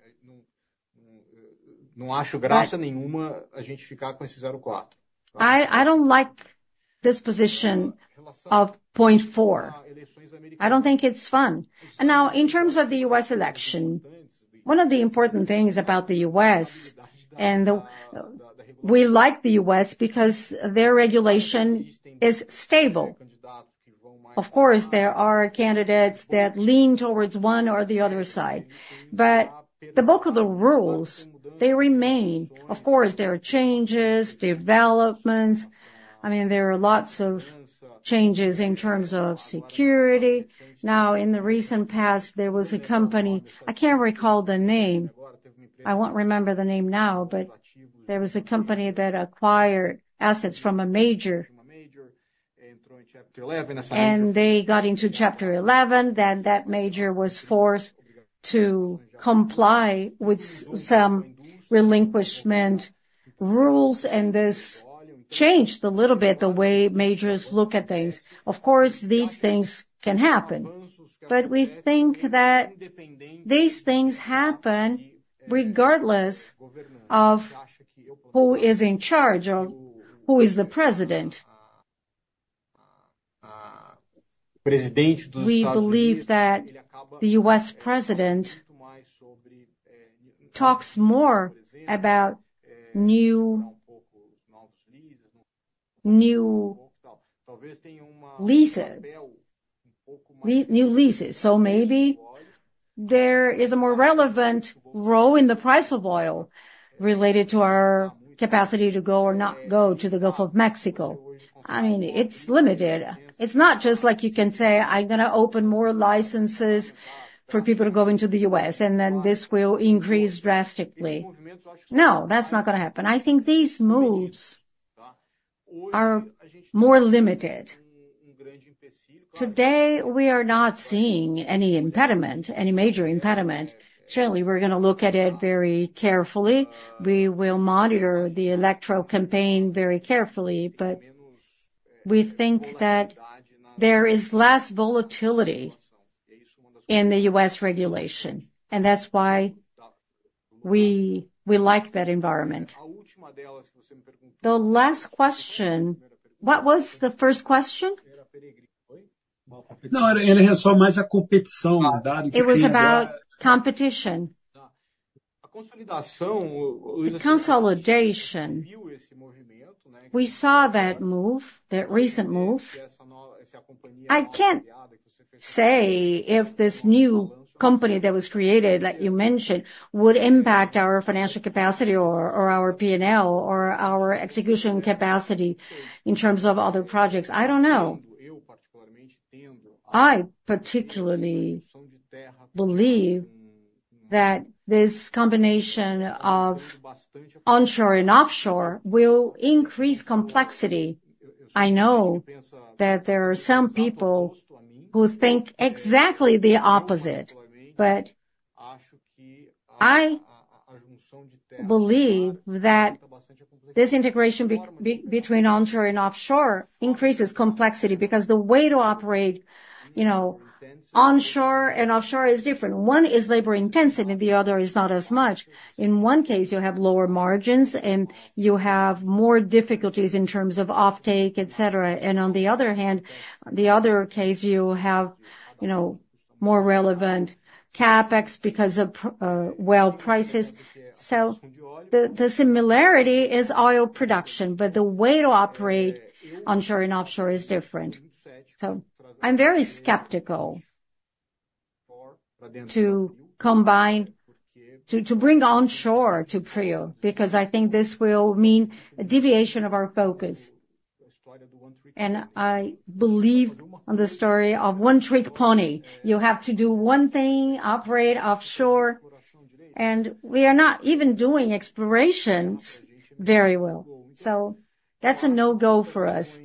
I, I don't like this position of 0.4. I don't think it's fun. And now, in terms of the U.S. election, one of the important things about the U.S., and the- we like the U.S. because their regulation is stable. Of course, there are candidates that lean towards one or the other side, but the bulk of the rules, they remain. Of course, there are changes, developments. I mean, there are lots of changes in terms of security. Now, in the recent past, there was a company, I can't recall the name. I won't remember the name now, but there was a company that acquired assets from a major, and they got into Chapter 11, then that major was forced to comply with some relinquishment rules, and this changed a little bit, the way majors look at things. Of course, these things can happen, but we think that these things happen regardless of who is in charge or who is the president. We believe that the U.S. president talks more about new, new leases, new leases. So maybe there is a more relevant role in the price of oil related to our capacity to go or not go to the Gulf of Mexico. I mean, it's limited. It's not just like you can say, "I'm gonna open more licenses for people to go into the U.S., and then this will increase drastically." No, that's not gonna happen. I think these moves are more limited. Today, we are not seeing any impediment, any major impediment. Certainly, we're gonna look at it very carefully. We will monitor the electoral campaign very carefully, but we think that there is less volatility in the U.S. regulation, and that's why we like that environment. The last question... What was the first question? No, it was more about competition. It was about competition. The consolidation, we saw that move, that recent move. I can't say if this new company that was created, that you mentioned, would impact our financial capacity or, or our P&L, or our execution capacity in terms of other projects. I don't know. I particularly believe that this combination of onshore and offshore will increase complexity. I know that there are some people who think exactly the opposite, but I believe that this integration between onshore and offshore increases complexity, because the way to operate, you know, onshore and offshore is different. One is labor-intensive, and the other is not as much. In one case, you have lower margins, and you have more difficulties in terms of offtake, et cetera. And on the other hand, the other case, you have, you know, more relevant CapEx because of prices. So the similarity is oil production, but the way to operate onshore and offshore is different. So I'm very skeptical to combine. To bring onshore to PRIO, because I think this will mean a deviation of our focus. And I believe on the story of one-trick pony. You have to do one thing, operate offshore, and we are not even doing explorations very well. So that's a no-go for us.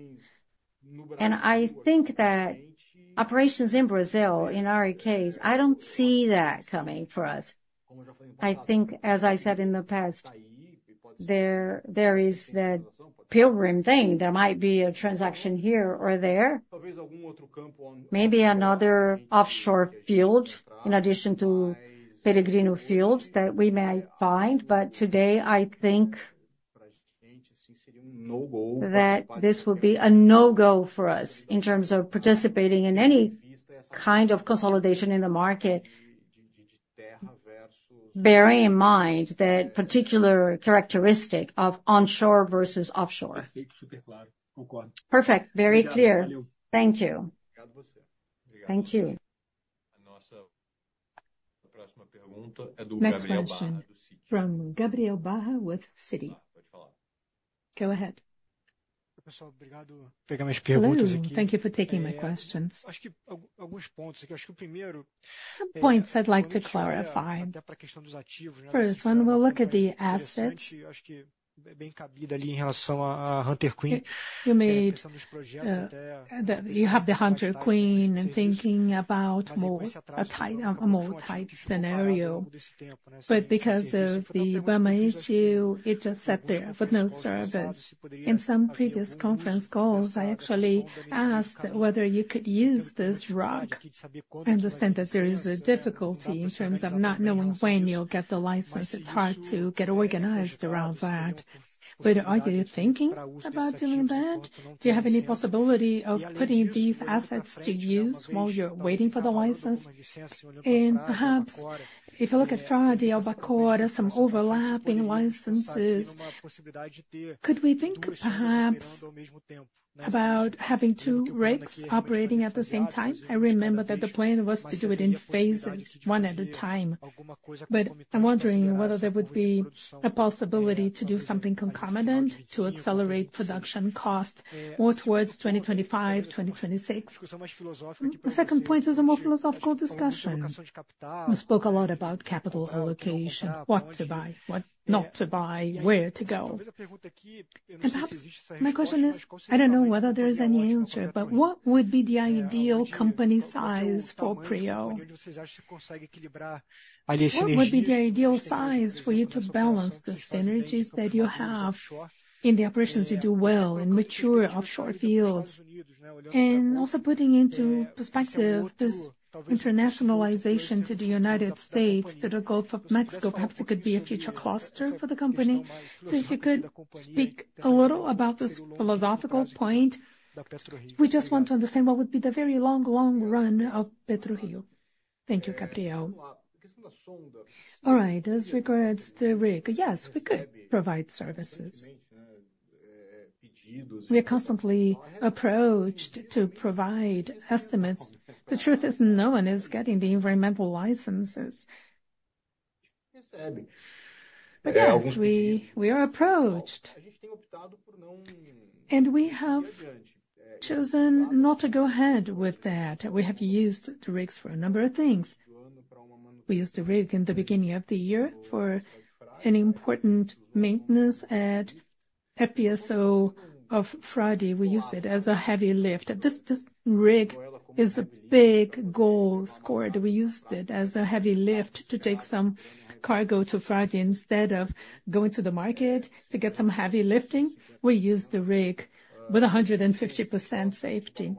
And I think that operations in Brazil, in our case, I don't see that coming for us. I think, as I said in the past-... there, there is that Peregrino thing. There might be a transaction here or there. Maybe another offshore field in addition to Peregrino Field that we may find. But today, I think that this will be a no-go for us in terms of participating in any kind of consolidation in the market, bearing in mind that particular characteristic of onshore versus offshore. Perfect. Very clear. Thank you. Thank you. Next question from Gabriel Barra with Citi. Go ahead. Hello, thank you for taking my questions. Some points I'd like to clarify. First, when we look at the assets, you made that you have the Hunter Queen and thinking about more, a tight, a more tight scenario. But because of the IBAMA issue, it just sat there with no service. In some previous conference calls, I actually asked whether you could use this rig. I understand that there is a difficulty in terms of not knowing when you'll get the license. It's hard to get organized around that. But are you thinking about doing that? Do you have any possibility of putting these assets to use while you're waiting for the license? And perhaps, if you look at Frade, Albacora, some overlapping licenses, could we think perhaps about having two rigs operating at the same time? I remember that the plan was to do it in phases, one at a time, but I'm wondering whether there would be a possibility to do something concomitant to accelerate production cost more towards 2025, 2026. The second point is a more philosophical discussion. You spoke a lot about capital allocation, what to buy, what not to buy, where to go. And perhaps my question is, I don't know whether there is any answer, but what would be the ideal company size for Prio? What would be the ideal size for you to balance the synergies that you have in the operations you do well in mature offshore fields? And also putting into perspective this internationalization to the United States, to the Gulf of Mexico, perhaps it could be a future cluster for the company. So if you could speak a little about this philosophical point, we just want to understand what would be the very long, long run of PetroRio. Thank you, Gabriel. All right. As regards to rig, yes, we could provide services. We are constantly approached to provide estimates. The truth is, no one is getting the environmental licenses. But yes, we, we are approached, and we have chosen not to go ahead with that. We have used the rigs for a number of things. We used the rig in the beginning of the year for an important maintenance at, at FPSO of Frade. We used it as a heavy lift. This, this rig is a big goal scored. We used it as a heavy lift to take some cargo to Frade. Instead of going to the market to get some heavy lifting, we used the rig with 150% safety.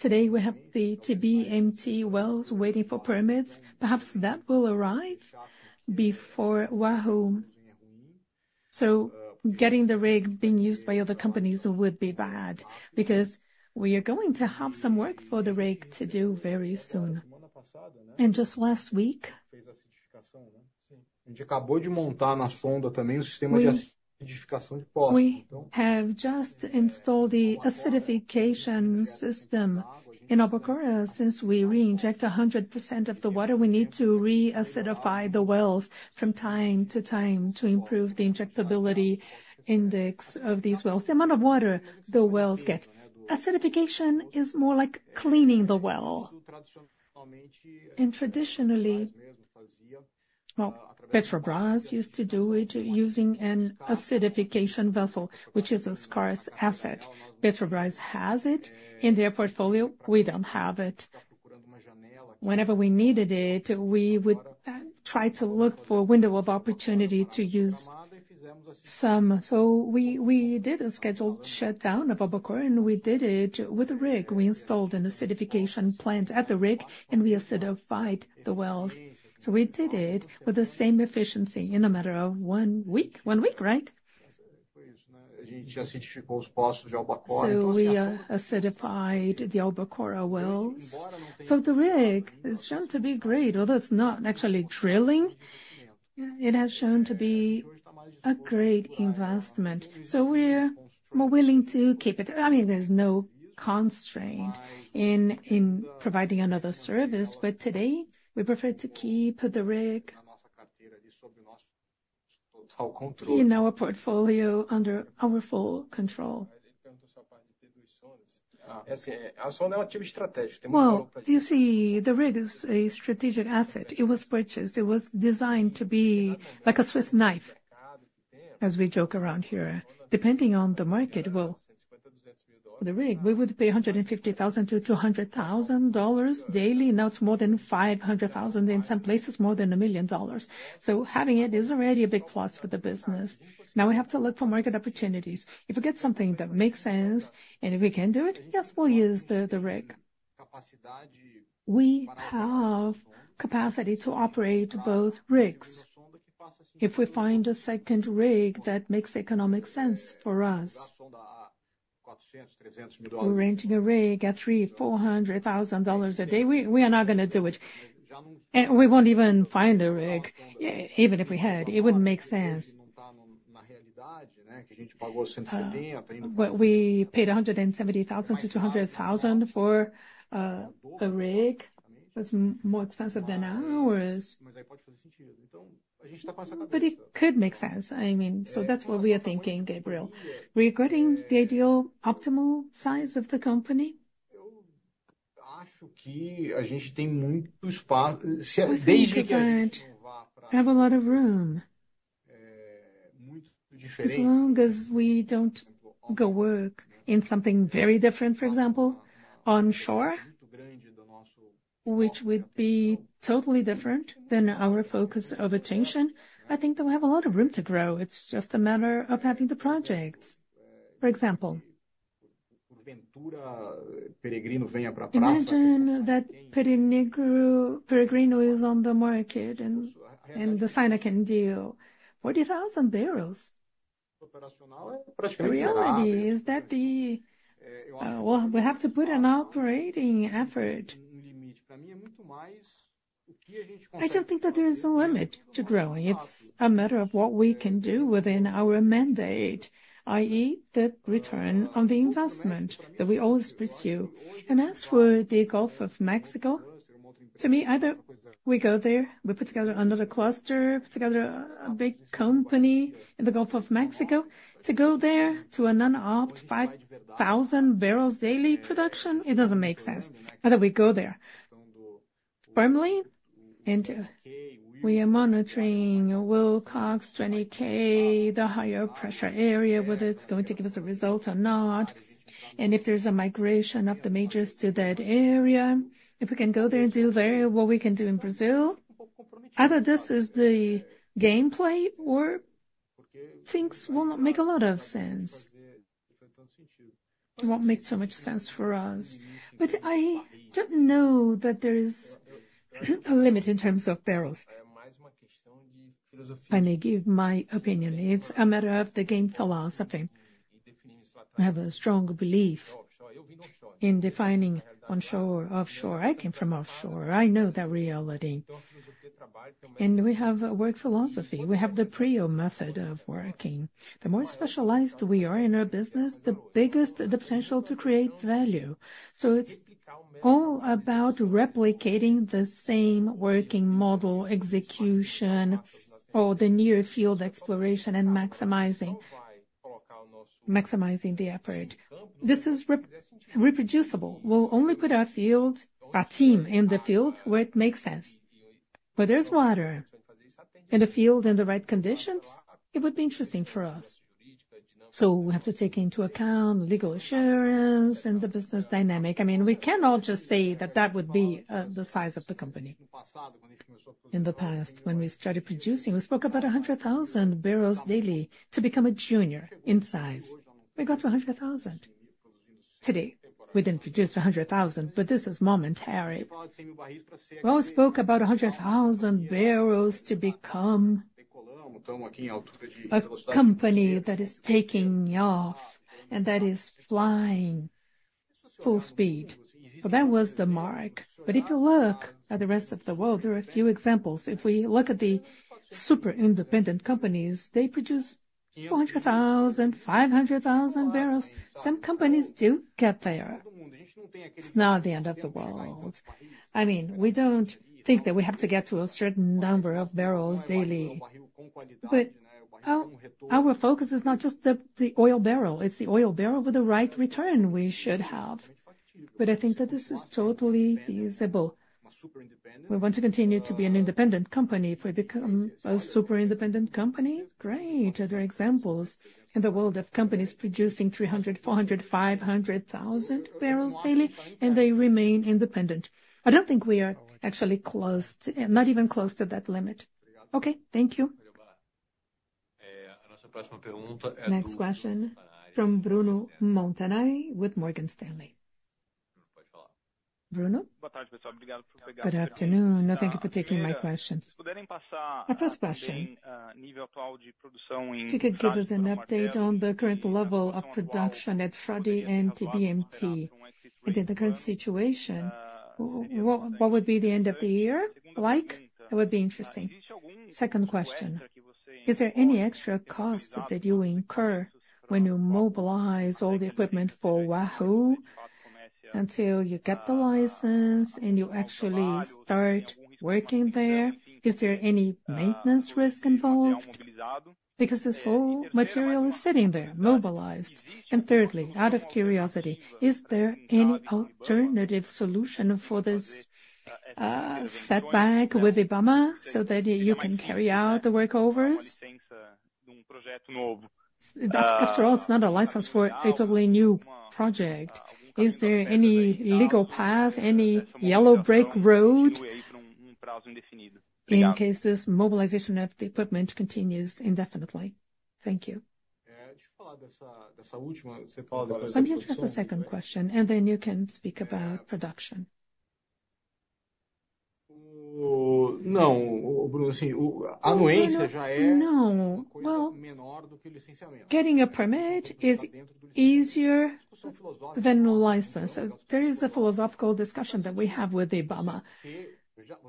Today, we have the TBMT wells waiting for permits. Perhaps that will arrive before Wahoo. So getting the rig being used by other companies would be bad, because we are going to have some work for the rig to do very soon. And just last week, we have just installed the acidification system in Albacora. Since we reinject 100% of the water, we need to re-acidify the wells from time to time to improve the injectability index of these wells, the amount of water the wells get. Acidification is more like cleaning the well. And traditionally, well, Petrobras used to do it using an acidification vessel, which is a scarce asset. Petrobras has it in their portfolio. We don't have it. Whenever we needed it, we would try to look for a window of opportunity to use some. So we did a scheduled shutdown of Albacora, and we did it with a rig. We installed an acidification plant at the rig, and we acidified the wells. So we did it with the same efficiency in a matter of one week. One week, right? So we acidified the Albacora wells. So the rig is shown to be great. Although it's not actually drilling, it has shown to be a great investment, so we're more willing to keep it. I mean, there's no constraint in providing another service, but today we prefer to keep the rig in our portfolio under our full control. Well, you see, the rig is a strategic asset. It was purchased. It was designed to be like a Swiss knife, as we joke around here. Depending on the market, the rig, we would pay $150,000-200,000 daily. Now it's more than $500,000, in some places, more than $1 million. So having it is already a big plus for the business. Now we have to look for market opportunities. If we get something that makes sense, and if we can do it, yes, we'll use the rig. We have capacity to operate both rigs. If we find a second rig, that makes economic sense for us. Renting a rig at $300,000-400,000 a day, we are not gonna do it. And we won't even find a rig. Even if we had, it wouldn't make sense. But we paid $170,000-200,000 for a rig that's more expensive than ours. But it could make sense. I mean, so that's what we are thinking, Gabriel. Regarding the ideal optimal size of the company? I think that we have a lot of room. As long as we don't go work in something very different, for example, onshore, which would be totally different than our focus of attention, I think that we have a lot of room to grow. It's just a matter of having the projects. For example, imagine that Peregrino, Peregrino is on the market and, and the Sinopec deal, 40,000 barrels. The reality is that well, we have to put an operating effort. I don't think that there is a limit to growing. It's a matter of what we can do within our mandate, i.e., the return on the investment that we always pursue. And as for the Gulf of Mexico, to me, either we go there, we put together another cluster, put together a big company in the Gulf of Mexico. To go there to a non-opt 5,000 barrels daily production, it doesn't make sense. Either we go there firmly, and we are monitoring Wilcox, 20K, the higher pressure area, whether it's going to give us a result or not, and if there's a migration of the majors to that area. If we can go there and do there what we can do in Brazil, either this is the gameplay or things will not make a lot of sense. It won't make so much sense for us. But I don't know that there is a limit in terms of barrels. I may give my opinion. It's a matter of the game philosophy. I have a strong belief in defining onshore, offshore. I came from offshore. I know that reality. We have a work philosophy. We have the Prio method of working. The more specialized we are in our business, the bigger the potential to create value. So it's all about replicating the same working model, execution, or the near field exploration and maximizing, maximizing the effort. This is reproducible. We'll only put our field, our team in the field where it makes sense. Where there's water in the field and the right conditions, it would be interesting for us. So we have to take into account legal assurance and the business dynamic. I mean, we cannot just say that that would be the size of the company. In the past, when we started producing, we spoke about 100,000 barrels daily to become a junior in size. We got to 100,000. Today, we didn't produce 100,000, but this is momentary. Well, we spoke about 100,000 barrels to become a company that is taking off and that is flying full speed. So that was the mark. But if you look at the rest of the world, there are a few examples. If we look at the super independent companies, they produce 400,000, 500,000 barrels. Some companies do get there. It's not the end of the world. I mean, we don't think that we have to get to a certain number of barrels daily. But our, our focus is not just the, the oil barrel, it's the oil barrel with the right return we should have. But I think that this is totally feasible. We want to continue to be an independent company. If we become a super independent company, great! There are examples in the world of companies producing 300, 400, 500 thousand barrels daily, and they remain independent. I don't think we are actually close to, not even close to that limit. Okay, thank you. Next question from Bruno Montanari with Morgan Stanley. Bruno? Good afternoon, and thank you for taking my questions. My first question: if you could give us an update on the current level of production at Frade and TBMT, and in the current situation, what would be the end of the year like? It would be interesting. Second question: Is there any extra cost that you incur when you mobilize all the equipment for Wahoo until you get the license and you actually start working there? Is there any maintenance risk involved? Because this whole material is sitting there, mobilized. Thirdly, out of curiosity, is there any alternative solution for this setback with IBAMA so that you can carry out the workovers? After all, it's not a license for a totally new project. Is there any legal path, any yellow brick road, in case this mobilization of the equipment continues indefinitely? Thank you. Let me address the second question, and then you can speak about production. No, well, getting a permit is easier than a license. There is a philosophical discussion that we have with IBAMA.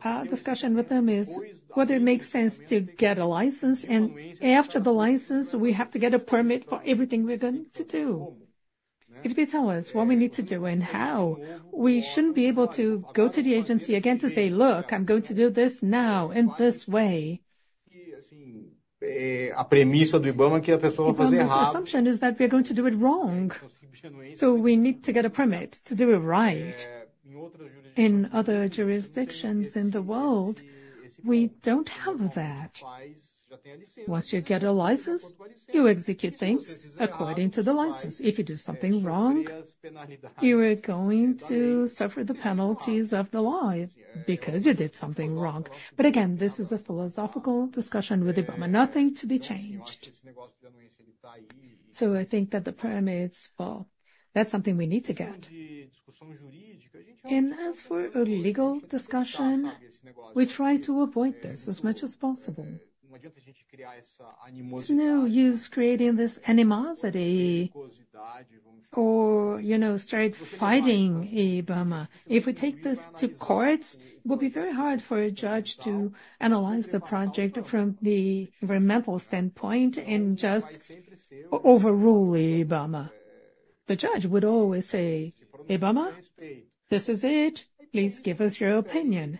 Our discussion with them is whether it makes sense to get a license, and after the license, we have to get a permit for everything we're going to do. If they tell us what we need to do and how, we shouldn't be able to go to the agency again to say, "Look, I'm going to do this now, in this way." IBAMA's assumption is that we are going to do it wrong, so we need to get a permit to do it right. In other jurisdictions in the world, we don't have that. Once you get a license, you execute things according to the license. If you do something wrong, you are going to suffer the penalties of the law, because you did something wrong. But again, this is a philosophical discussion with IBAMA. Nothing to be changed. So I think that the permits, well, that's something we need to get. And as for a legal discussion, we try to avoid this as much as possible. It's no use creating this animosity or, you know, start fighting IBAMA. If we take this to courts, it will be very hard for a judge to analyze the project from the environmental standpoint and just overrule IBAMA. The judge would always say, "IBAMA, this is it. Please give us your opinion."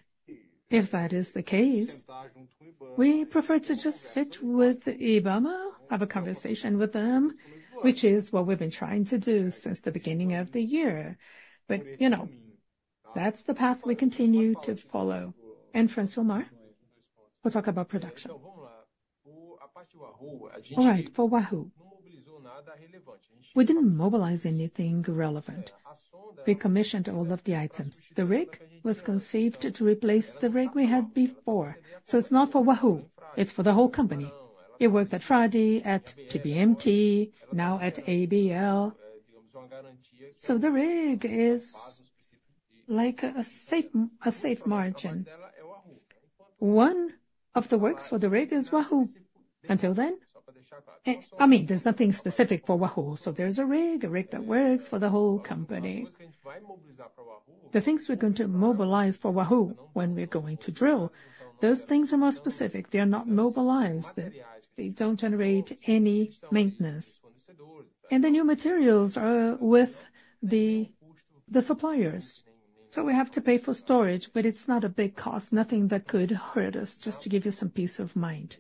If that is the case, we prefer to just sit with IBAMA, have a conversation with them, which is what we've been trying to do since the beginning of the year. But, you know, that's the path we continue to follow. And Francilmar Fernandes, we'll talk about production. All right, for Wahoo, we didn't mobilize anything relevant. We commissioned all of the items. The rig was conceived to replace the rig we had before. So it's not for Wahoo, it's for the whole company. It worked at Frade, at TBMT, now at ABL. So the rig is like a safe, a safe margin. One of the works for the rig is Wahoo. Until then... I mean, there's nothing specific for Wahoo. So there's a rig, a rig that works for the whole company. The things we're going to mobilize for Wahoo, when we're going to drill, those things are more specific. They are not mobilized. They don't generate any maintenance. And the new materials are with the suppliers. So we have to pay for storage, but it's not a big cost, nothing that could hurt us, just to give you some peace of mind.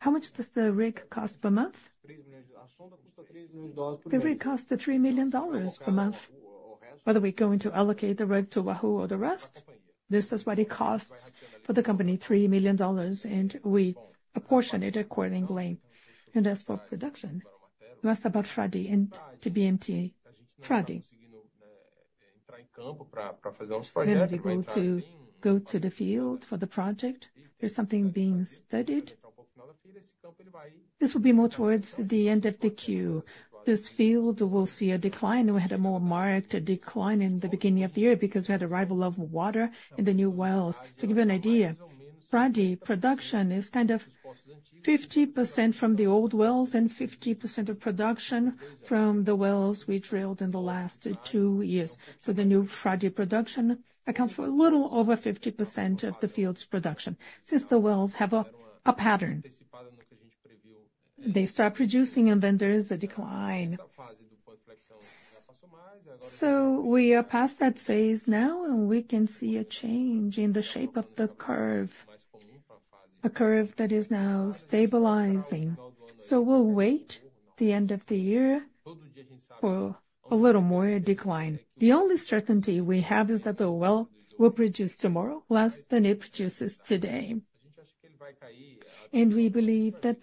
How much does the rig cost per month? The rig costs us $3 million per month. Whether we're going to allocate the rig to Wahoo or the rest, this is what it costs for the company: $3 million, and we apportion it accordingly. And as for production, you asked about Frade and TBMT. Frade, we're ready to go to, go to the field for the project. There's something being studied. This will be more towards the end of the queue. This field will see a decline. We had a more marked decline in the beginning of the year because we had arrival of water in the new wells. To give you an idea, Frade production is kind of 50% from the old wells and 50% of production from the wells we drilled in the last two years. So the new Frade production accounts for a little over 50% of the field's production. Since the wells have a, a pattern, they start producing, and then there is a decline. So we are past that phase now, and we can see a change in the shape of the curve, a curve that is now stabilizing. So we'll wait the end of the year for a little more decline. The only certainty we have is that the well will produce tomorrow less than it produces today. And we believe that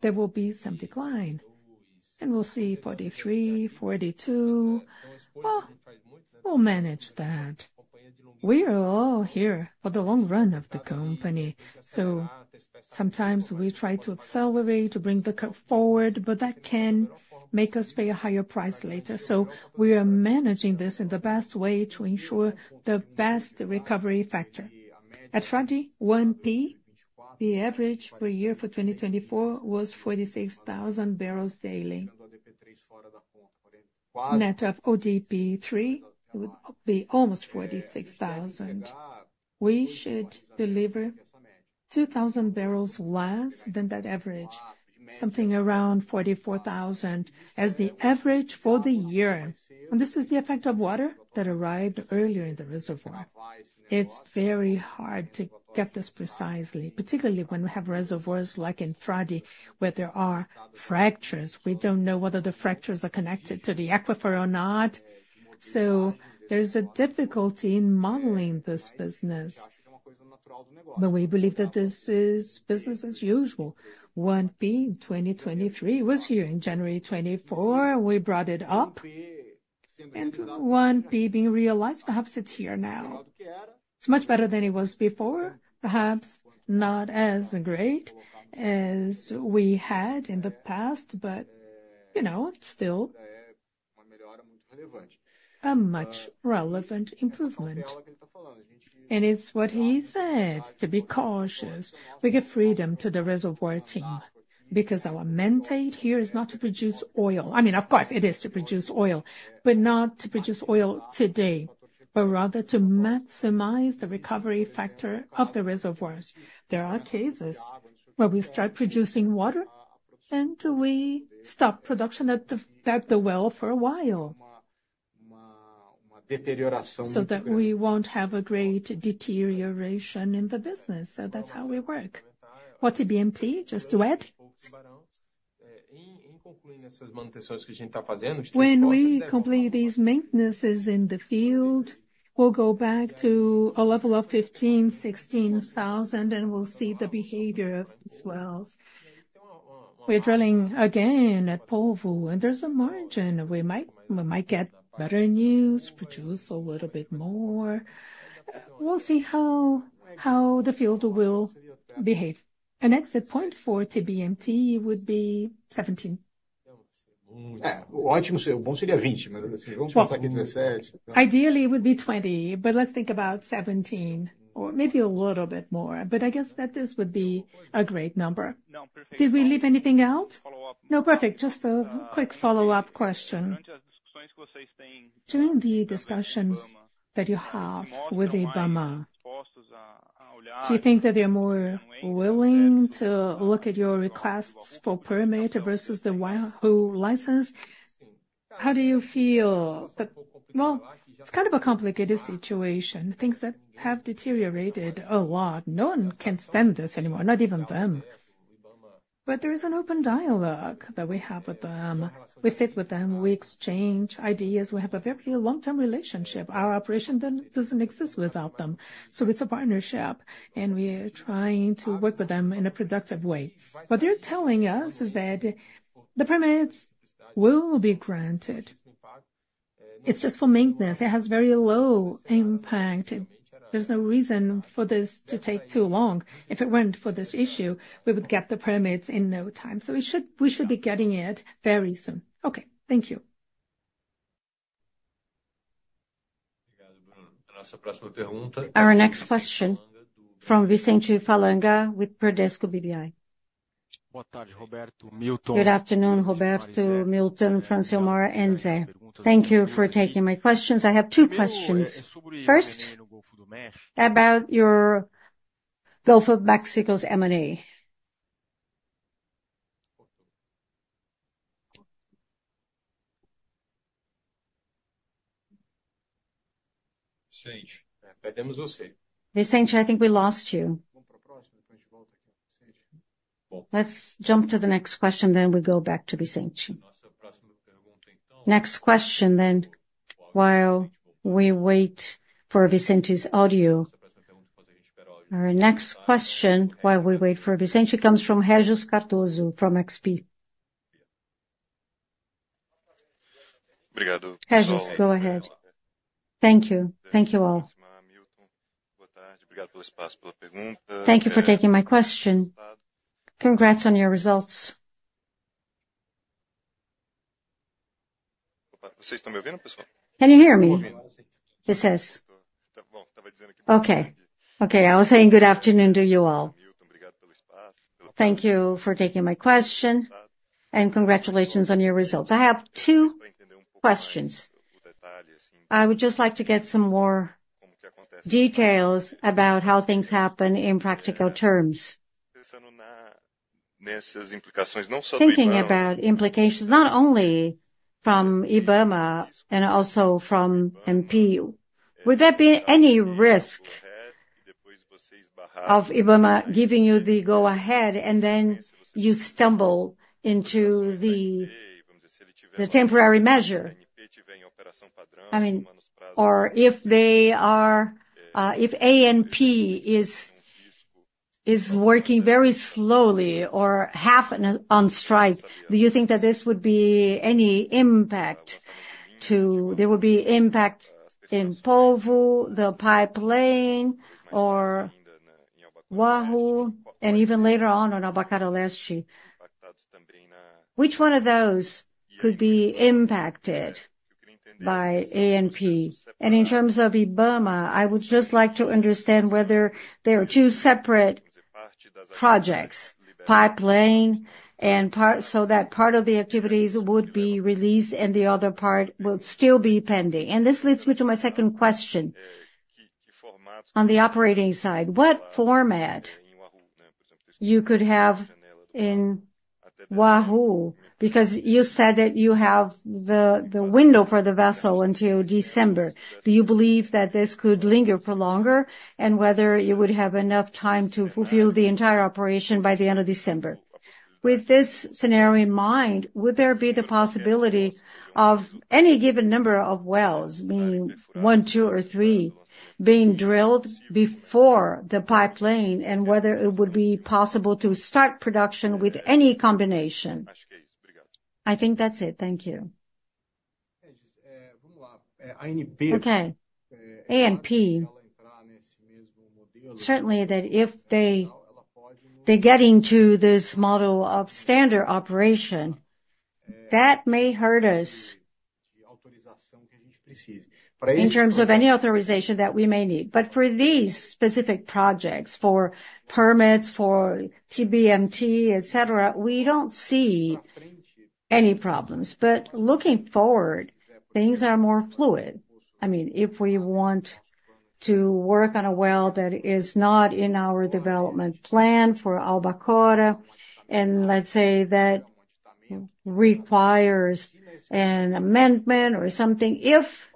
there will be some decline, and we'll see 43, 42. Well, we'll manage that. We are all here for the long run of the company. So sometimes we try to accelerate, to bring the curve forward, but that can make us pay a higher price later. So we are managing this in the best way to ensure the best recovery factor. At Frade 1P, the average per year for 2024 was 46,000 barrels daily. Net of ODP3 would be almost 46,000. We should deliver 2,000 barrels less than that average, something around 44,000 as the average for the year. And this is the effect of water that arrived earlier in the reservoir. It's very hard to get this precisely, particularly when we have reservoirs like in Frade, where there are fractures. We don't know whether the fractures are connected to the aquifer or not, so there is a difficulty in modeling this business. But we believe that this is business as usual. 1P in 2023 was here in January 2024, we brought it up, and 1P being realized, perhaps it's here now. It's much better than it was before. Perhaps not as great as we had in the past, but, you know, still a much relevant improvement. And it's what he said, to be cautious, we give freedom to the reservoir team, because our mandate here is not to produce oil. I mean, of course, it is to produce oil, but not to produce oil today, but rather to maximize the recovery factor of the reservoirs. There are cases where we start producing water, and we stop production at the well for a while, so that we won't have a great deterioration in the business. So that's how we work. What about TBMT, just to add? When we complete these maintenances in the field, we'll go back to a level of 15,000-16,000, and we'll see the behavior of these wells. We're drilling again at Polvo, and there's a margin. We might get better news, produce a little bit more. We'll see how the field will behave. An exit point for TBMT would be 17. Yeah. Well, ideally, it would be 20, but let's think about 17 or maybe a little bit more. But I guess that this would be a great number. Did we leave anything out? No, perfect. Just a quick follow-up question. During the discussions that you have with IBAMA, do you think that they are more willing to look at your requests for permit versus the Wahoo license? How do you feel? Well, it's kind of a complicated situation, things that have deteriorated a lot. No one can stand this anymore, not even them. But there is an open dialogue that we have with them. We sit with them, we exchange ideas, we have a very long-term relationship. Our operation doesn't, doesn't exist without them, so it's a partnership, and we are trying to work with them in a productive way. What they're telling us is that the permits will be granted. It's just for maintenance. It has very low impact. There's no reason for this to take too long. If it weren't for this issue, we would get the permits in no time. So we should, we should be getting it very soon. Okay, thank you. Our next question from Vicente Falanga with Bradesco BBI. Good afternoon, Roberto, Milton, Francilmar, Maíra, and Ze. Thank you for taking my questions. I have two questions. First, about your Gulf of Mexico's M&A. Vicente, I think we lost you. Let's jump to the next question, then we go back to Vicente. Next question then, while we wait for Vicente's audio. Our next question, while we wait for Vicente, comes from Regis Cardoso from XP. Obrigado. Regis, go ahead. Thank you. Thank you, all. Thank you for taking my question. Congrats on your results. Can you hear me? He says. Okay, okay, I was saying good afternoon to you all. Thank you for taking my question, and congratulations on your results. I have two questions. I would just like to get some more details about how things happen in practical terms. Thinking about implications, not only from IBAMA and also from MP, would there be any risk of IBAMA giving you the go-ahead, and then you stumble into the temporary measure? I mean, or if they are, If ANP is working very slowly or half on strike, do you think that this would be any impact to—there would be impact in Polvo, the pipeline, or Wahoo, and even later on in Albacora Leste? Which one of those could be impacted by ANP? In terms of IBAMA, I would just like to understand whether there are two separate projects, pipeline and part—so that part of the activities would be released and the other part will still be pending. This leads me to my second question. On the operating side, what format you could have in Wahoo? Because you said that you have the, the window for the vessel until December. Do you believe that this could linger for longer? And whether you would have enough time to fulfill the entire operation by the end of December. With this scenario in mind, would there be the possibility of any given number of wells, meaning one, two, or three, being drilled before the pipeline, and whether it would be possible to start production with any combination? I think that's it. Thank you. Okay, ANP, certainly that if they get into this model of standard operation, that may hurt us in terms of any authorization that we may need. But for these specific projects, for permits, for TBMT, et cetera, we don't see any problems. But looking forward, things are more fluid. I mean, if we want to work on a well that is not in our development plan for Albacora, and let's say, that requires an amendment or something, if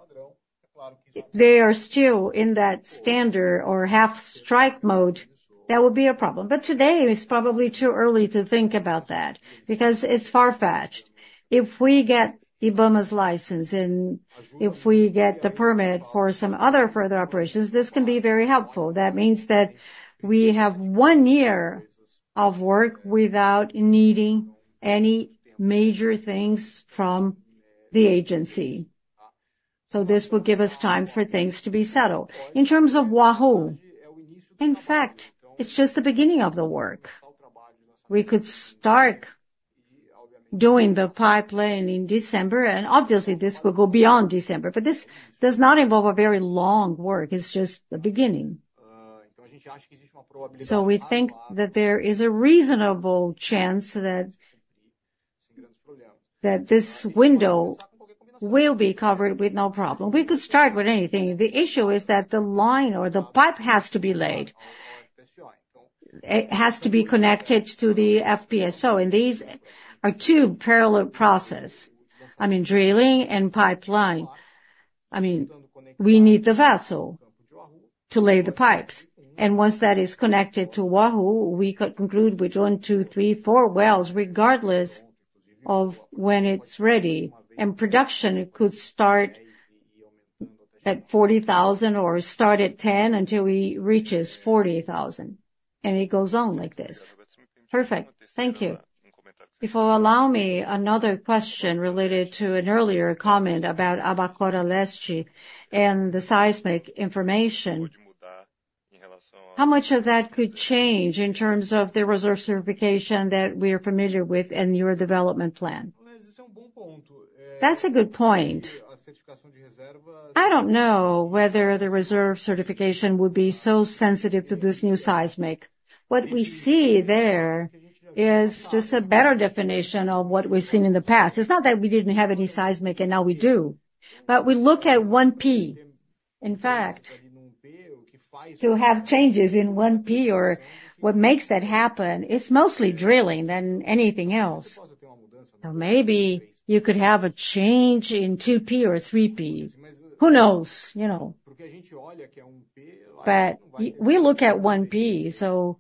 they are still in that standard or half strike mode, that would be a problem. But today, it's probably too early to think about that, because it's far-fetched. If we get IBAMA's license, and if we get the permit for some other further operations, this can be very helpful. That means that we have one year of work without needing any major things from the agency. So this will give us time for things to be settled. In terms of Wahoo, in fact, it's just the beginning of the work. We could start doing the pipeline in December, and obviously, this will go beyond December, but this does not involve a very long work. It's just the beginning. So we think that there is a reasonable chance that this window will be covered with no problem. We could start with anything. The issue is that the line or the pipe has to be laid. It has to be connected to the FPSO, and these are two parallel process. I mean, drilling and pipeline. I mean, we need the vessel to lay the pipes, and once that is connected to Wahoo, we could conclude with 1, 2, 3, 4 wells, regardless of when it's ready. And production could start at 40,000, or start at 10 until we reaches 40,000, and it goes on like this. Perfect. Thank you. If you'll allow me another question related to an earlier comment about Albacora Leste and the seismic information. How much of that could change in terms of the reserve certification that we are familiar with in your development plan? That's a good point. I don't know whether the reserve certification would be so sensitive to this new seismic. What we see there is just a better definition of what we've seen in the past. It's not that we didn't have any seismic, and now we do, but we look at 1P. In fact, to have changes in 1P or what makes that happen, it's mostly drilling than anything else. Maybe you could have a change in 2P or 3P. Who knows? You know. But we look at 1P, so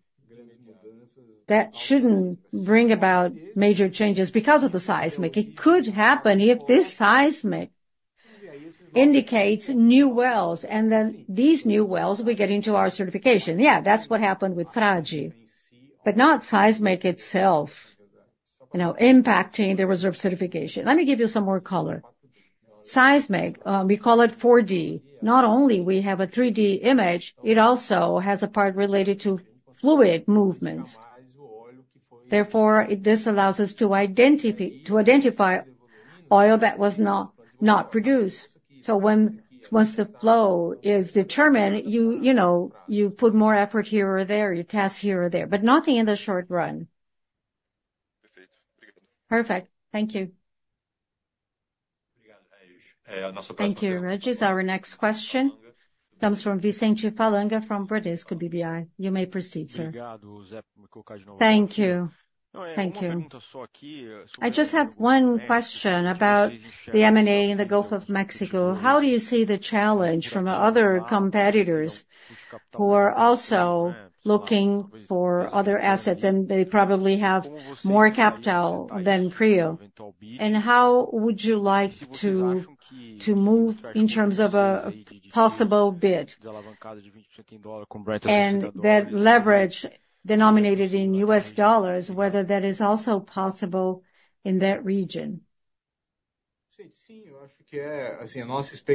that shouldn't bring about major changes because of the seismic. It could happen if this seismic indicates new wells, and then these new wells will get into our certification. Yeah, that's what happened with Frade, but not seismic itself, you know, impacting the reserve certification. Let me give you some more color. Seismic, we call it 4D. Not only we have a 3D image, it also has a part related to fluid movements. Therefore, this allows us to identify oil that was not, not produced. So once the flow is determined, you, you know, you put more effort here or there, you test here or there, but nothing in the short run. Perfect. Thank you. Thank you, Regis. Our next question comes from Vicente Falanga from Bradesco BBI. You may proceed, sir. Thank you. Thank you. I just have 1 question about the M&A in the Gulf of Mexico. How do you see the challenge from other competitors who are also looking for other assets, and they probably have more capital than PRIO? How would you like to move in terms of a possible bid? That leverage denominated in US dollars, whether that is also possible in that region.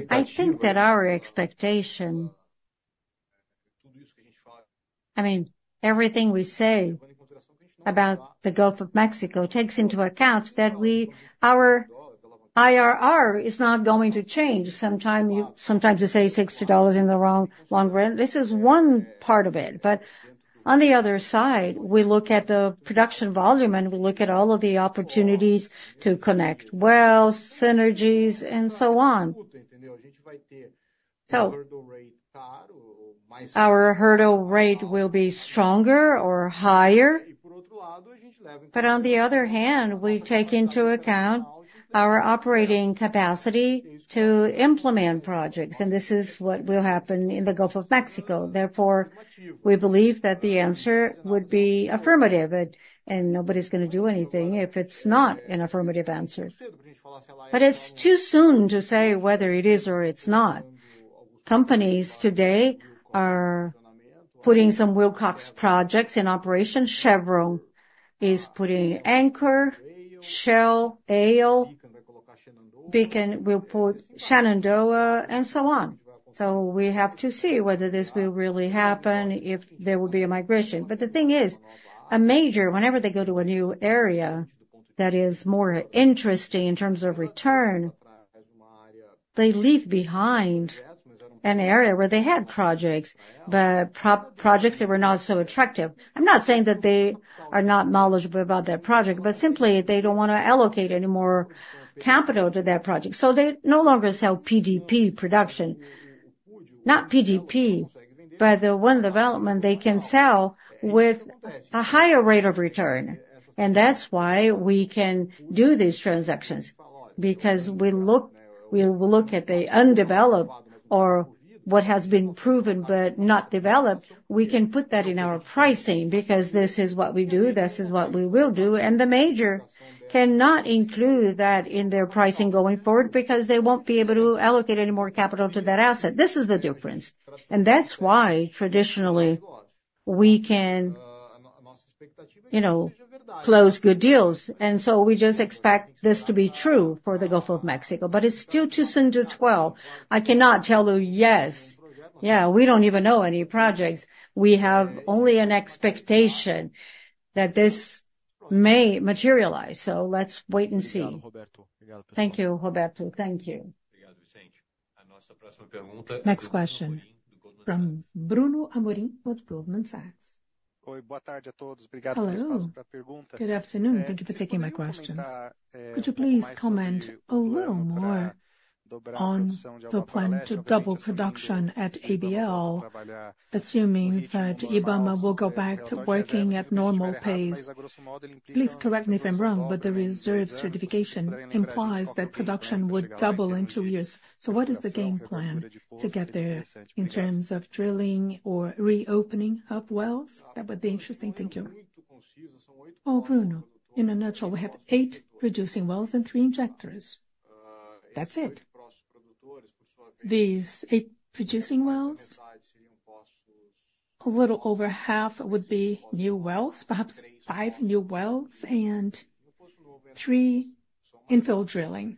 I think that our expectation... I mean, everything we say about the Gulf of Mexico takes into account that we, our IRR is not going to change. Sometimes you say $60 in the wrong, long run. This is one part of it, but on the other side, we look at the production volume, and we look at all of the opportunities to connect wells, synergies, and so on. So our hurdle rate will be stronger or higher, but on the other hand, we take into account our operating capacity to implement projects, and this is what will happen in the Gulf of Mexico. Therefore, we believe that the answer would be affirmative, and nobody's gonna do anything if it's not an affirmative answer. But it's too soon to say whether it is or it's not. Companies today are putting some Wilcox projects in operation. Chevron is putting Anchor, Shell, Whale, Beacon will put Shenandoah, and so on. So we have to see whether this will really happen, if there will be a migration. But the thing is, a major, whenever they go to a new area that is more interesting in terms of return, they leave behind an area where they had projects, but projects that were not so attractive. I'm not saying that they are not knowledgeable about that project, but simply they don't want to allocate any more capital to that project. So they no longer sell PDP production. Not PDP, but the one development they can sell with a higher rate of return. And that's why we can do these transactions, because we look, we'll look at the undeveloped or what has been proven but not developed. We can put that in our pricing because this is what we do, this is what we will do, and the major cannot include that in their pricing going forward, because they won't be able to allocate any more capital to that asset. This is the difference, and that's why traditionally, we can, you know, close good deals. And so we just expect this to be true for the Gulf of Mexico. But it's still too soon to tell. I cannot tell you yes. Yeah, we don't even know any projects. We have only an expectation that this may materialize, so let's wait and see. Thank you, Roberto. Thank you. Next question from Bruno Amorim of Goldman Sachs. Hello. Good afternoon. Thank you for taking my questions. Could you please comment a little more on the plan to double production at ABL, assuming that IBAMA will go back to working at normal pace? Please correct me if I'm wrong, but the reserve certification implies that production would double in two years. So what is the game plan to get there in terms of drilling or reopening up wells? That would be interesting. Thank you. Oh, Bruno, in a nutshell, we have eight producing wells and three injectors. That's it. These eight producing wells, a little over half would be new wells, perhaps five new wells and three infill drilling.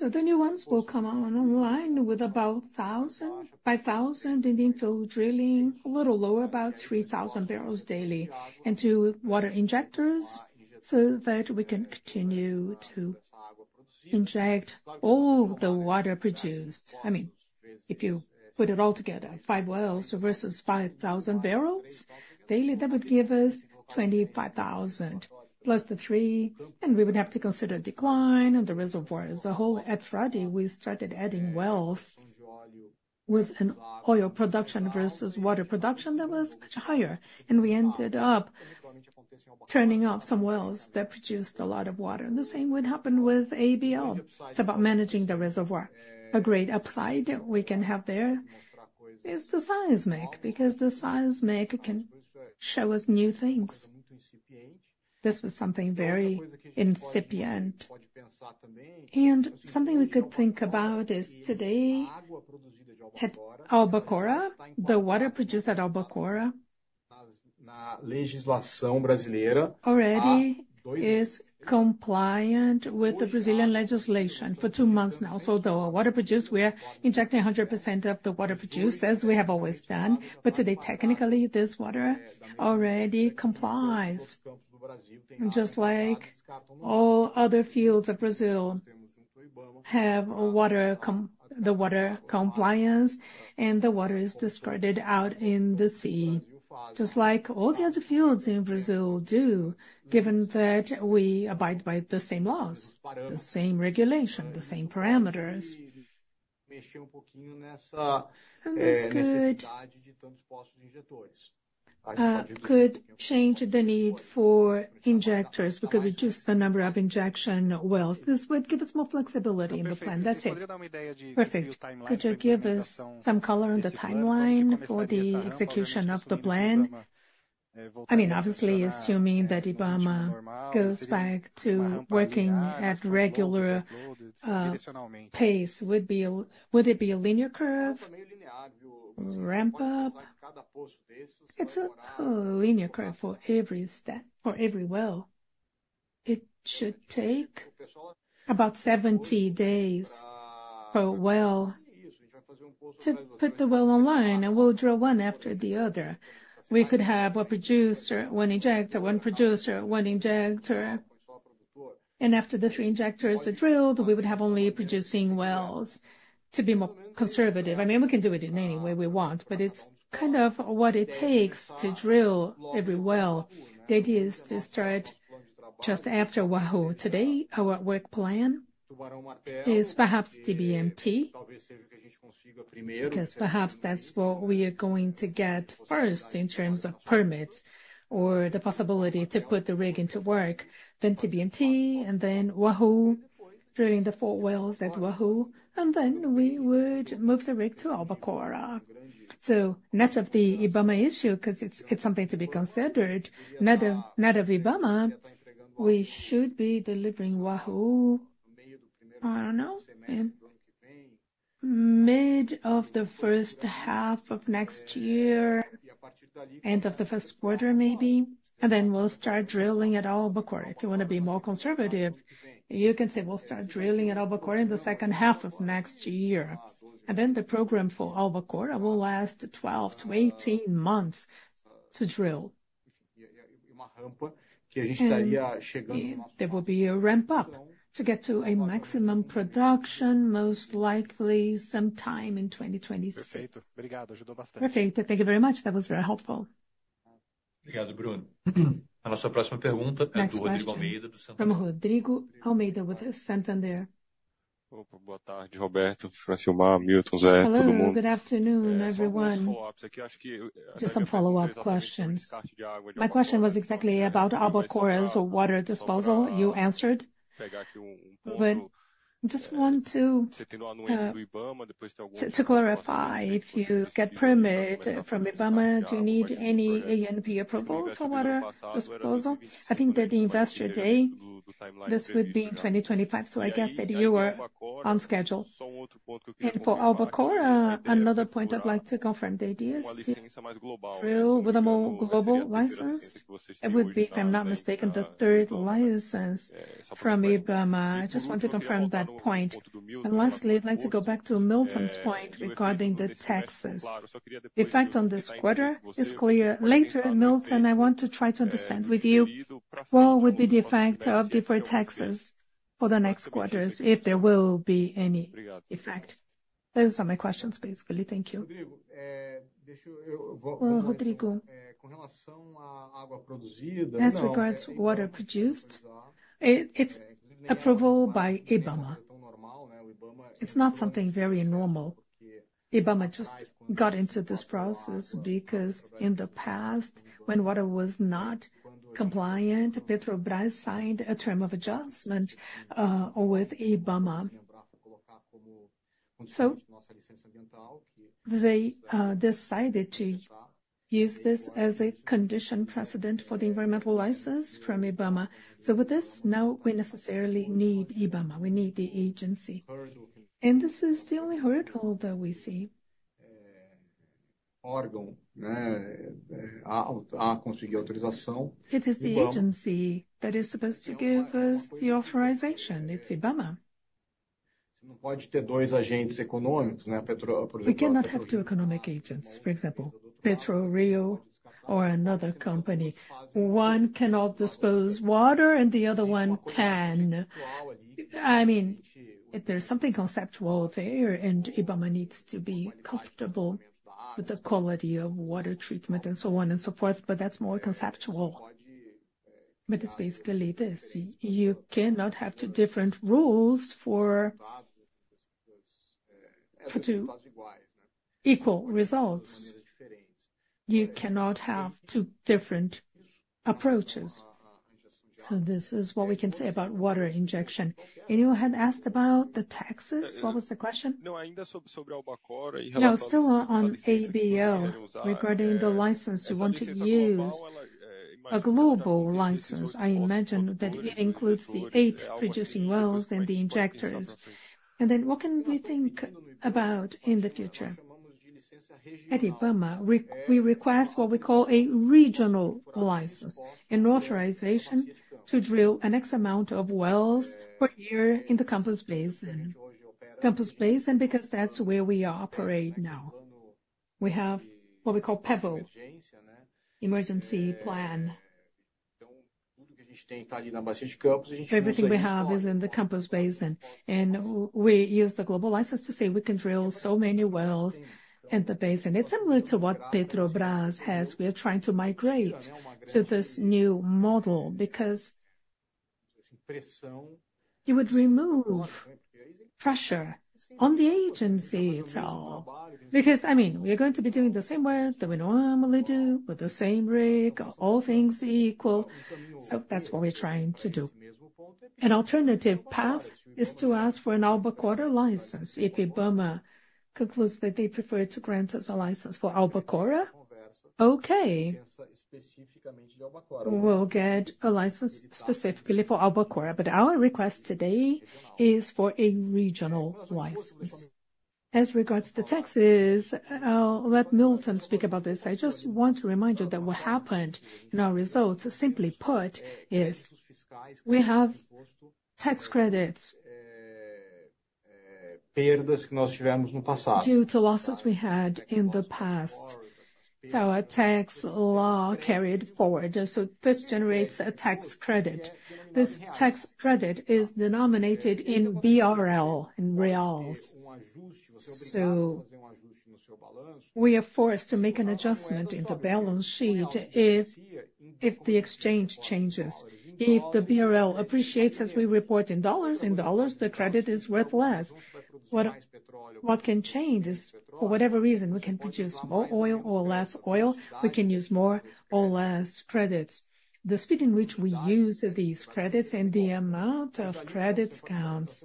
The new ones will come online with about 1,000, 5,000, in the infill drilling, a little lower, about 3,000 barrels daily, and two water injectors, so that we can continue to inject all the water produced. I mean, if you put it all together, five wells versus 5,000 barrels daily, that would give us 25,000 plus the three, and we would have to consider decline and the reservoir as a whole. At Frade, we started adding wells with an oil production versus water production that was much higher, and we ended up turning off some wells that produced a lot of water. The same would happen with ABL. It's about managing the reservoir. A great upside we can have there is the seismic, because the seismic can show us new things. This is something very incipient. And something we could think about is today, at Albacora, the water produced at Albacora, already is compliant with the Brazilian legislation for two months now. So the water produced, we are injecting 100% of the water produced, as we have always done. But today, technically, this water already complies, just like all other fields of Brazil have the water compliance, and the water is discarded out in the sea, just like all the other fields in Brazil do, given that we abide by the same laws, the same regulation, the same parameters. This could change the need for injectors. We could reduce the number of injection wells. This would give us more flexibility in the plan. That's it. Perfect. Could you give us some color on the timeline for the execution of the plan? I mean, obviously, assuming that IBAMA goes back to working at regular pace, would it be a linear curve ramp up? It's a linear curve for every step, for every well. It should take about 70 days per well to put the well online, and we'll drill one after the other. We could have a producer, one injector, one producer, one injector, and after the three injectors are drilled, we would have only producing wells to be more conservative. I mean, we can do it in any way we want, but it's kind of what it takes to drill every well. The idea is to start just after Wahoo. Today, our work plan is perhaps TBMT, because perhaps that's what we are going to get first in terms of permits or the possibility to put the rig into work, then TBMT, and then Wahoo, drilling the four wells at Wahoo, and then we would move the rig to Albacora. So net of the IBAMA issue, 'cause it's, it's something to be considered, net of, net of IBAMA, we should be delivering Wahoo, I don't know, in mid of the first half of next year, end of the first quarter maybe, and then we'll start drilling at Albacora. If you wanna be more conservative, you can say we'll start drilling at Albacora in the second half of next year, and then the program for Albacora will last 12-18 months to drill. There will be a ramp up to get to a maximum production, most likely sometime in 2026. Perfect, thank you very much. That was very helpful. Next question from Rodrigo Almeida with Santander. Hello, good afternoon, everyone. Just some follow-up questions. My question was exactly about Albacora's water disposal. You answered, but I just want to clarify, if you get permit from IBAMA, do you need any ANP approval for water disposal? I think that the Investor Day, this would be in 2025, so I guess that you are on schedule. And for Albacora, another point I'd like to confirm, that is drill with a more global license? It would be, if I'm not mistaken, the third license from IBAMA. I just want to confirm that point. And lastly, I'd like to go back to Milton's point regarding the taxes. The effect on this quarter is clear. Later, Milton, I want to try to understand with you what would be the effect of deferred taxes for the next quarters, if there will be any effect. Those are my questions, basically. Thank you. Well, Rodrigo, as regards water produced, it's approval by IBAMA. It's not something very normal. IBAMA just got into this process because in the past, when water was not compliant, Petrobras signed a term of adjustment with IBAMA. So they decided to use this as a condition precedent for the environmental license from IBAMA. So with this, now we necessarily need IBAMA, we need the agency. And this is the only hurdle that we see. It is the agency that is supposed to give us the authorization, it's IBAMA. We cannot have two economic agents, for example, PetroRio or another company. One cannot dispose water and the other one can. I mean, if there's something conceptual there, and IBAMA needs to be comfortable with the quality of water treatment and so on and so forth, but that's more conceptual. But it's basically this: you cannot have two different rules for two equal results. You cannot have two different approaches. So this is what we can say about water injection. And you had asked about the taxes? What was the question? Now, still on ABL, regarding the license, we want to use a global license. I imagine that it includes the eight producing wells and the injectors. And then what can we think about in the future? At IBAMA, we request what we call a regional license, an authorization to drill an X amount of wells per year in the Campos Basin. Campos Basin, because that's where we operate now. We have what we call PEVO, emergency plan. So everything we have is in the Campos Basin, and we use the global license to say we can drill so many wells in the basin. It's similar to what Petrobras has. We are trying to migrate to this new model because it would remove pressure on the agency as well. Because, I mean, we are going to be doing the same well that we normally do, with the same rig, all things equal. So that's what we're trying to do. An alternative path is to ask for an Albacora license. If IBAMA concludes that they prefer to grant us a license for Albacora, okay, we'll get a license specifically for Albacora. But our request today is for a regional license. As regards to the taxes, I'll let Milton speak about this. I just want to remind you that what happened in our results, simply put, is we have tax credits due to losses we had in the past. So a tax law carried forward, so this generates a tax credit. This tax credit is denominated in BRL, in reals. So we are forced to make an adjustment in the balance sheet if, if the exchange changes. If the BRL appreciates as we report in dollars, in dollars, the credit is worth less. What, what can change is, for whatever reason, we can produce more oil or less oil, we can use more or less credits. The speed in which we use these credits and the amount of credits counts.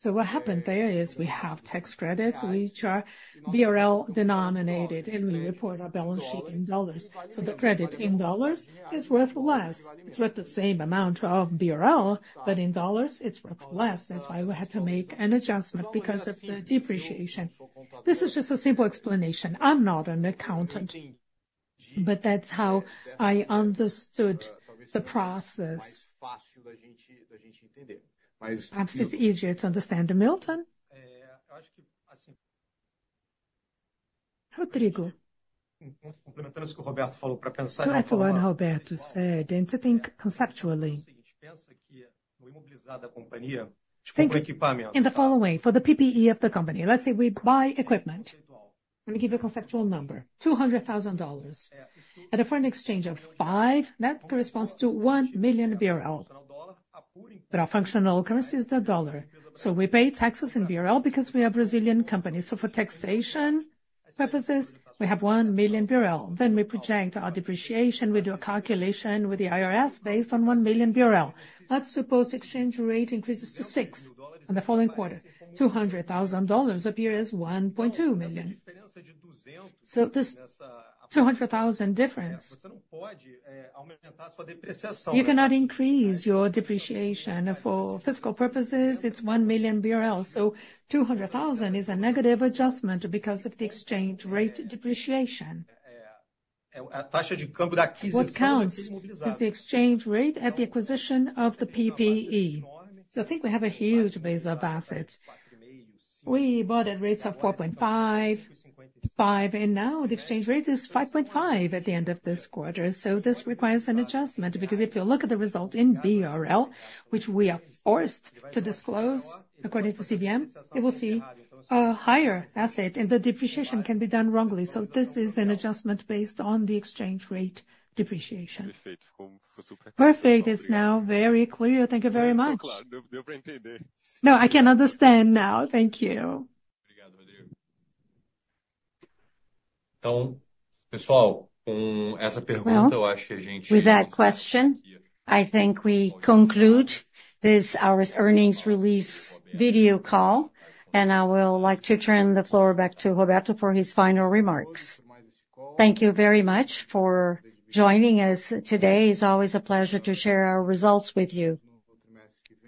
So what happened there is we have tax credits, which are BRL-denominated, and we report our balance sheet in dollars. So the credit in dollars is worth less. It's worth the same amount of BRL, but in dollars, it's worth less. That's why we had to make an adjustment, because of the depreciation. This is just a simple explanation. I'm not an accountant, but that's how I understood the process. Perhaps it's easier to understand. Milton? Rodrigo? To add to what Roberto said, and to think conceptually. Think in the following way, for the PPE of the company. Let's say we buy equipment. Let me give you a conceptual number, $200,000. At a foreign exchange of five, that corresponds to 1 million BRL. But our functional currency is the US dollar, so we pay taxes in BRL because we are a Brazilian company. So for taxation purposes, we have 1 million BRL. Then we project our depreciation, we do a calculation with the IRS based on 1 million BRL. Let's suppose exchange rate increases to six in the following quarter. $200,000 appears 1.2 million BRL. So this 200,000 BRL difference, you cannot increase your depreciation. For fiscal purposes, it's 1 million BRL, so 200,000 BRL is a negative adjustment because of the exchange rate depreciation. What counts is the exchange rate at the acquisition of the PPE. So I think we have a huge base of assets. We bought at rates of 4.5, 5, and now the exchange rate is 5.5 at the end of this quarter. So this requires an adjustment, because if you look at the result in BRL, which we are forced to disclose according to CVM, you will see a higher asset, and the depreciation can be done wrongly. So this is an adjustment based on the exchange rate depreciation. Perfect. It's now very clear. Thank you very much. Yeah, clear. No, I can understand now. Thank you. Well, with that question, I think we conclude this, our earnings release video call, and I will like to turn the floor back to Roberto for his final remarks. Thank you very much for joining us today. It's always a pleasure to share our results with you,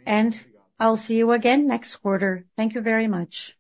and I'll see you again next quarter. Thank you very much.